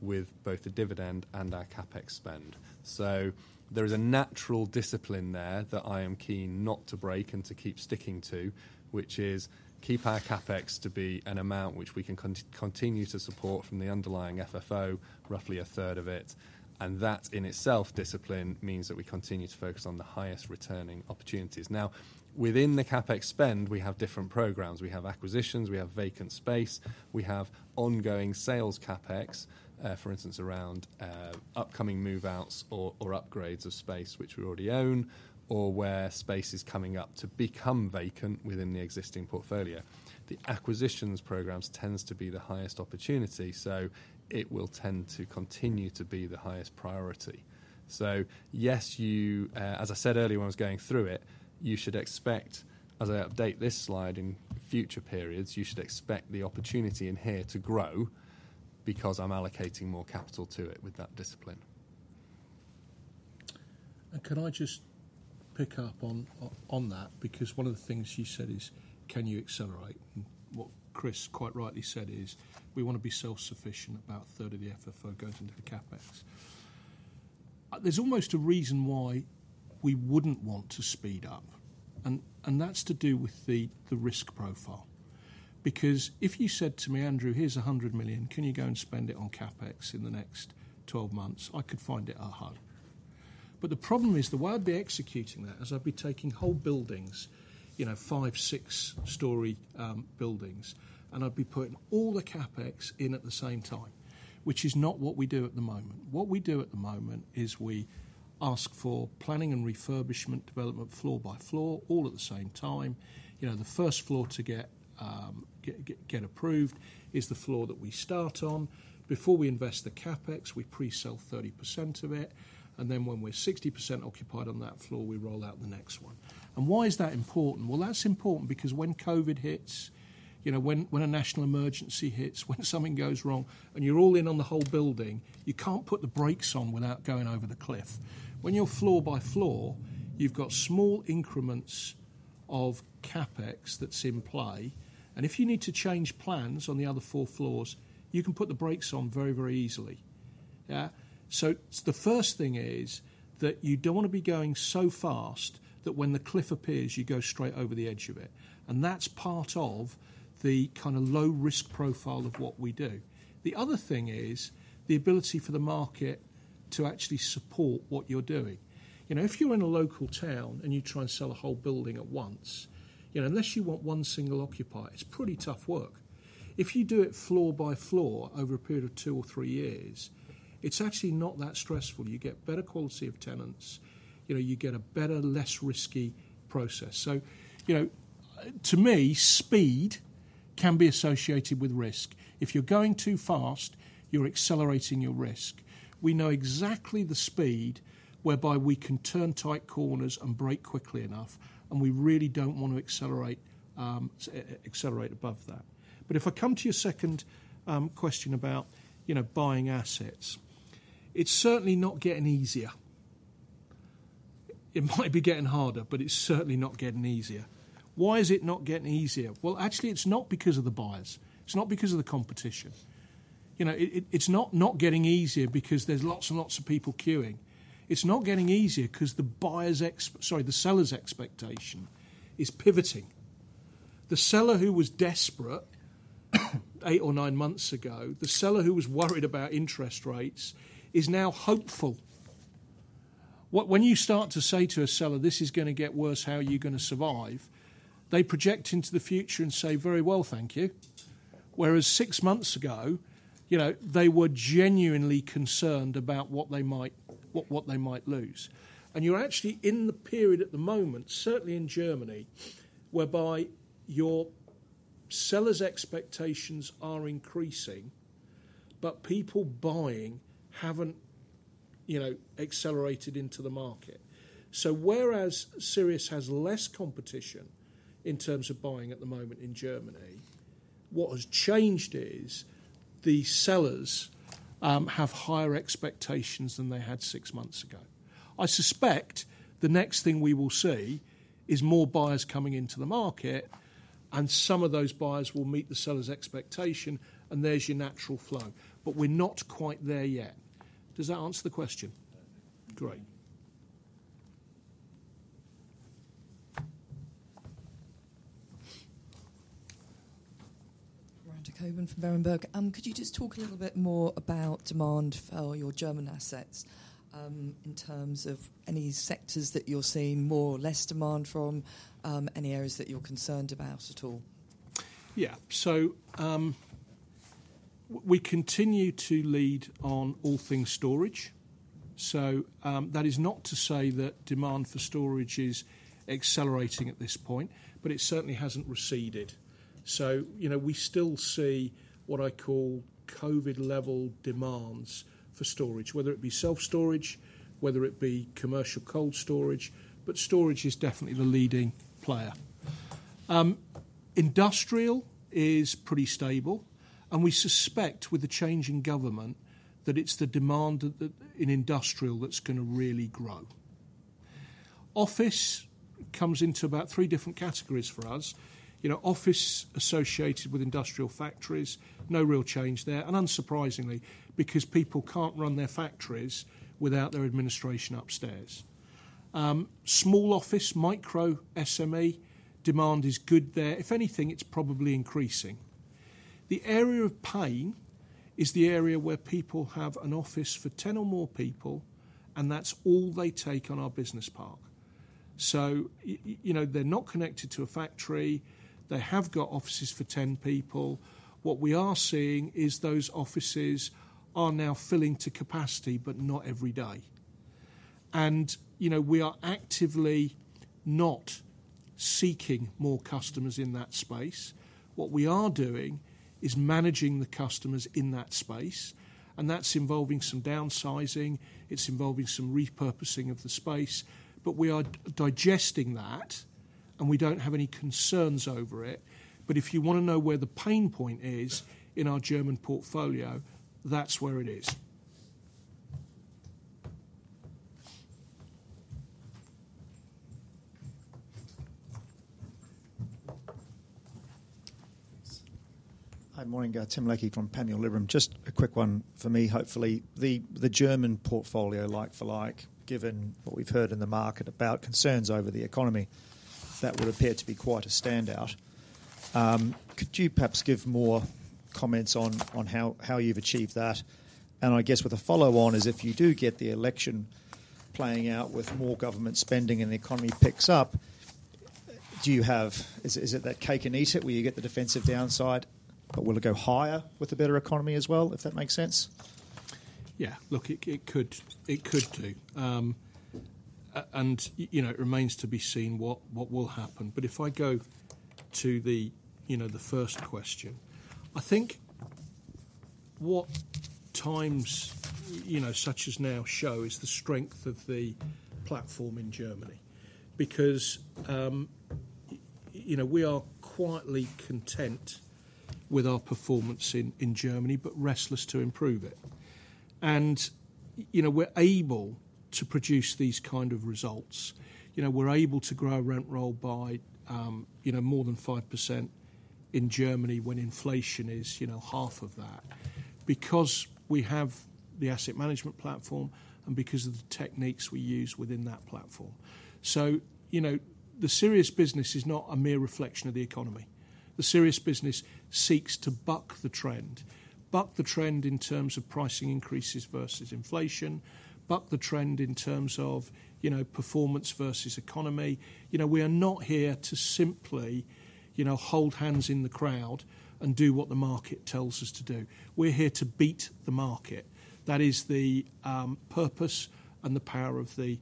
with both the dividend and our CapEx spend. So there is a natural discipline there that I am keen not to break and to keep sticking to, which is keep our CapEx to be an amount which we can continue to support from the underlying FFO, roughly a third of it. And that in itself, discipline means that we continue to focus on the highest returning opportunities. Now, within the CapEx spend, we have different programs. We have acquisitions. We have vacant space. We have ongoing sales CapEx, for instance, around upcoming move-outs or upgrades of space which we already own or where space is coming up to become vacant within the existing portfolio. The acquisitions programs tend to be the highest opportunity, so it will tend to continue to be the highest priority. So yes, as I said earlier when I was going through it, you should expect, as I update this slide in future periods, you should expect the opportunity in here to grow because I'm allocating more capital to it with that discipline. Can I just pick up on that? Because one of the things you said is, can you accelerate? And what Chris quite rightly said is we want to be self-sufficient, about a third of the FFO goes into the CapEx. There's almost a reason why we wouldn't want to speed up, and that's to do with the risk profile. Because if you said to me, Andrew, here's 100 million. Can you go and spend it on CapEx in the next 12 months? I could find it at home. But the problem is the way I'd be executing that is I'd be taking whole buildings, five, six-story buildings, and I'd be putting all the CapEx in at the same time, which is not what we do at the moment. What we do at the moment is we ask for planning and refurbishment development floor by floor all at the same time. The first floor to get approved is the floor that we start on. Before we invest the CapEx, we pre-sell 30% of it. And then when we're 60% occupied on that floor, we roll out the next one. And why is that important? Well, that's important because when COVID hits, when a national emergency hits, when something goes wrong, and you're all in on the whole building, you can't put the brakes on without going over the cliff. When you're floor by floor, you've got small increments of CapEx that's in play. And if you need to change plans on the other four floors, you can put the brakes on very, very easily. So the first thing is that you don't want to be going so fast that when the cliff appears, you go straight over the edge of it. And that's part of the kind of low-risk profile of what we do. The other thing is the ability for the market to actually support what you're doing. If you're in a local town and you try and sell a whole building at once, unless you want one single occupier, it's pretty tough work. If you do it floor by floor over a period of two or three years, it's actually not that stressful. You get better quality of tenants. You get a better, less risky process. So to me, speed can be associated with risk. If you're going too fast, you're accelerating your risk. We know exactly the speed whereby we can turn tight corners and brake quickly enough, and we really don't want to accelerate above that. But if I come to your second question about buying assets, it's certainly not getting easier. It might be getting harder, but it's certainly not getting easier. Why is it not getting easier? Well, actually, it's not because of the buyers. It's not because of the competition. It's not getting easier because there's lots and lots of people queuing. It's not getting easier because the buyer's, sorry, the seller's expectation is pivoting. The seller who was desperate eight or nine months ago, the seller who was worried about interest rates is now hopeful. When you start to say to a seller, "This is going to get worse. How are you going to survive?" They project into the future and say, "Very well, thank you." Whereas six months ago, they were genuinely concerned about what they might lose. And you're actually in the period at the moment, certainly in Germany, whereby your seller's expectations are increasing, but people buying haven't accelerated into the market. So whereas Sirius has less competition in terms of buying at the moment in Germany, what has changed is the sellers have higher expectations than they had six months ago. I suspect the next thing we will see is more buyers coming into the market, and some of those buyers will meet the seller's expectation, and there's your natural flow. But we're not quite there yet. Does that answer the question? Perfect. Great. Miranda Cockburn from Berenberg. Could you just talk a little bit more about demand for your German assets in terms of any sectors that you're seeing more or less demand from, any areas that you're concerned about at all? Yeah. So we continue to lead on all things storage. So that is not to say that demand for storage is accelerating at this point, but it certainly hasn't receded. So we still see what I call COVID-level demands for storage, whether it be self-storage, whether it be commercial cold storage. But storage is definitely the leading player. Industrial is pretty stable. And we suspect with the change in government that it's the demand in industrial that's going to really grow. Office comes into about three different categories for us. Office associated with industrial factories, no real change there. And unsurprisingly, because people can't run their factories without their administration upstairs. Small office, micro SME demand is good there. If anything, it's probably increasing. The area of pain is the area where people have an office for 10 or more people, and that's all they take on our business park. So they're not connected to a factory. They have got offices for 10 people. What we are seeing is those offices are now filling to capacity, but not every day. And we are actively not seeking more customers in that space. What we are doing is managing the customers in that space. And that's involving some downsizing. It's involving some repurposing of the space. But we are digesting that, and we don't have any concerns over it. But if you want to know where the pain point is in our German portfolio, that's where it is. Hi, morning. Tim Leckie from Panmure Liberum. Just a quick one for me, hopefully. The German portfolio, like for like, given what we've heard in the market about concerns over the economy, that would appear to be quite a standout. Could you perhaps give more comments on how you've achieved that? And I guess with a follow-on is if you do get the election playing out with more government spending and the economy picks up, do you have is it that cake and eat it where you get the defensive downside, but will it go higher with a better economy as well, if that makes sense? Yeah. Look, it could do. It remains to be seen what will happen. But if I go to the first question, I think what times such as now show is the strength of the platform in Germany. Because we are quietly content with our performance in Germany, but restless to improve it. We're able to produce these kind of results. We're able to grow rent roll by more than 5% in Germany when inflation is half of that because we have the asset management platform and because of the techniques we use within that platform. The Sirius business is not a mere reflection of the economy. The Sirius business seeks to buck the trend, buck the trend in terms of pricing increases versus inflation, buck the trend in terms of performance versus economy. We are not here to simply hold hands in the crowd and do what the market tells us to do. We're here to beat the market. That is the purpose and the power of the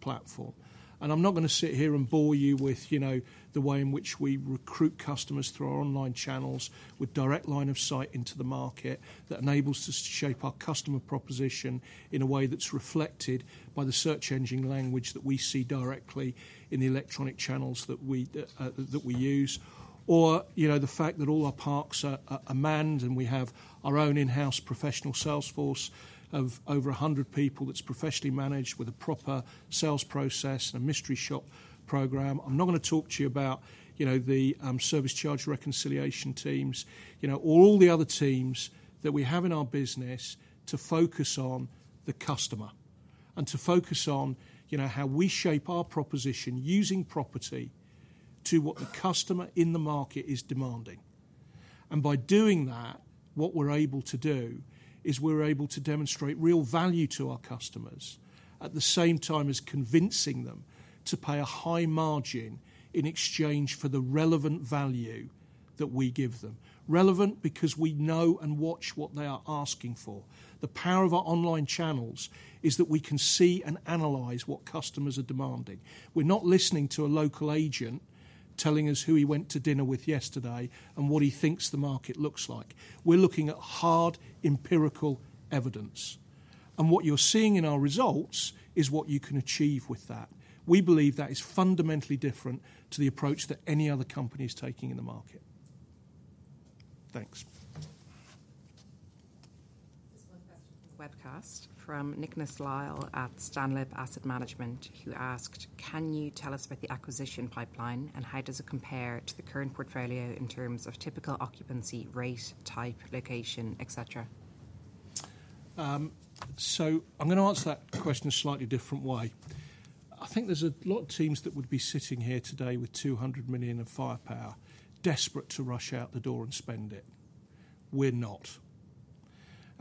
platform. And I'm not going to sit here and bore you with the way in which we recruit customers through our online channels with direct line of sight into the market that enables us to shape our customer proposition in a way that's reflected by the search engine language that we see directly in the electronic channels that we use, or the fact that all our parks are manned and we have our own in-house professional sales force of over 100 people that's professionally managed with a proper sales process and a mystery shop program. I'm not going to talk to you about the service charge reconciliation teams, all the other teams that we have in our business to focus on the customer and to focus on how we shape our proposition using property to what the customer in the market is demanding, and by doing that, what we're able to do is we're able to demonstrate real value to our customers at the same time as convincing them to pay a high margin in exchange for the relevant value that we give them, relevant because we know and watch what they are asking for. The power of our online channels is that we can see and analyze what customers are demanding. We're not listening to a local agent telling us who he went to dinner with yesterday and what he thinks the market looks like. We're looking at hard, empirical evidence. And what you're seeing in our results is what you can achieve with that. We believe that is fundamentally different to the approach that any other company is taking in the market. Thanks. This is one question from the webcast from Nicholas Lisle at Stanley Asset Management who asked, "Can you tell us about the acquisition pipeline and how does it compare to the current portfolio in terms of typical occupancy rate, type, location, etc.? I'm going to answer that question a slightly different way. I think there's a lot of teams that would be sitting here today with 200 million of firepower desperate to rush out the door and spend it. We're not.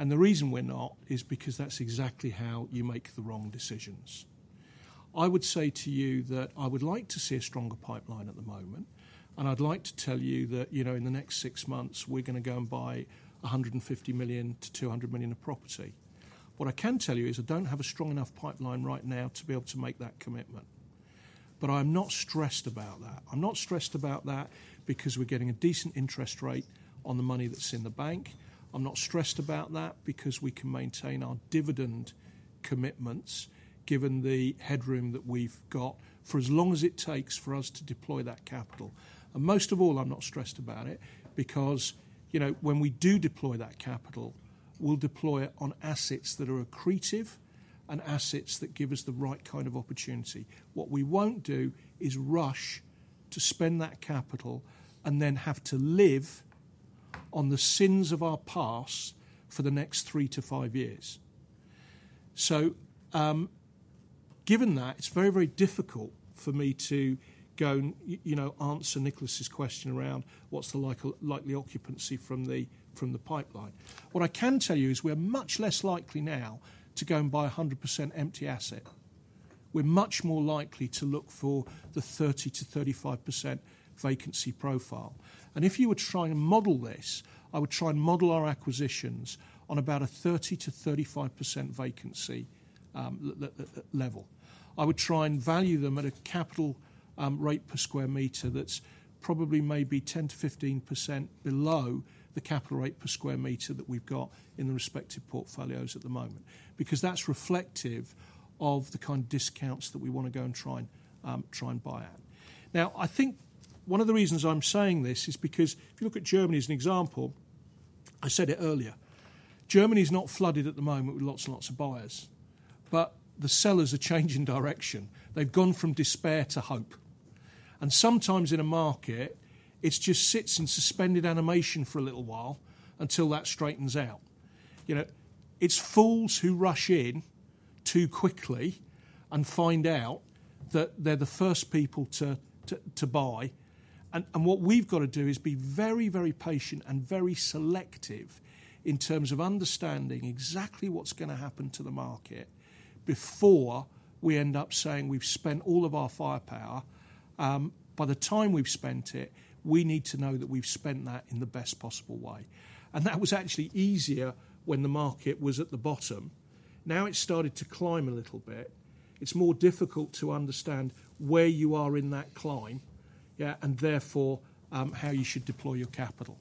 The reason we're not is because that's exactly how you make the wrong decisions. I would say to you that I would like to see a stronger pipeline at the moment. I'd like to tell you that in the next six months, we're going to go and buy 150 million-200 million of property. What I can tell you is I don't have a strong enough pipeline right now to be able to make that commitment. I'm not stressed about that. I'm not stressed about that because we're getting a decent interest rate on the money that's in the bank. I'm not stressed about that because we can maintain our dividend commitments given the headroom that we've got for as long as it takes for us to deploy that capital, and most of all, I'm not stressed about it because when we do deploy that capital, we'll deploy it on assets that are accretive and assets that give us the right kind of opportunity. What we won't do is rush to spend that capital and then have to live on the sins of our past for the next three to five years, so given that, it's very, very difficult for me to go and answer Nicholas Lisle's question around what's the likely occupancy from the pipeline. What I can tell you is we're much less likely now to go and buy 100% empty asset. We're much more likely to look for the 30%-35% vacancy profile. And if you were trying to model this, I would try and model our acquisitions on about a 30-35% vacancy level. I would try and value them at a capital rate per square meter that's probably maybe 10-15% below the capital rate per square meter that we've got in the respective portfolios at the moment because that's reflective of the kind of discounts that we want to go and try and buy at. Now, I think one of the reasons I'm saying this is because if you look at Germany as an example, I said it earlier, Germany is not flooded at the moment with lots and lots of buyers, but the sellers are changing direction. They've gone from despair to hope. And sometimes in a market, it just sits in suspended animation for a little while until that straightens out. It's fools who rush in too quickly and find out that they're the first people to buy. And what we've got to do is be very, very patient and very selective in terms of understanding exactly what's going to happen to the market before we end up saying we've spent all of our firepower. By the time we've spent it, we need to know that we've spent that in the best possible way. And that was actually easier when the market was at the bottom. Now it's started to climb a little bit. It's more difficult to understand where you are in that climb and therefore how you should deploy your capital.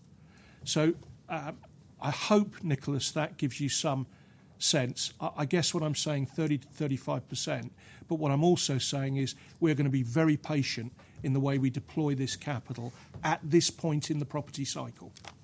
So I hope, Nicholas, that gives you some sense. I guess what I'm saying, 30%-35%. But what I'm also saying is we're going to be very patient in the way we deploy this capital at this point in the property cycle. Any further questions?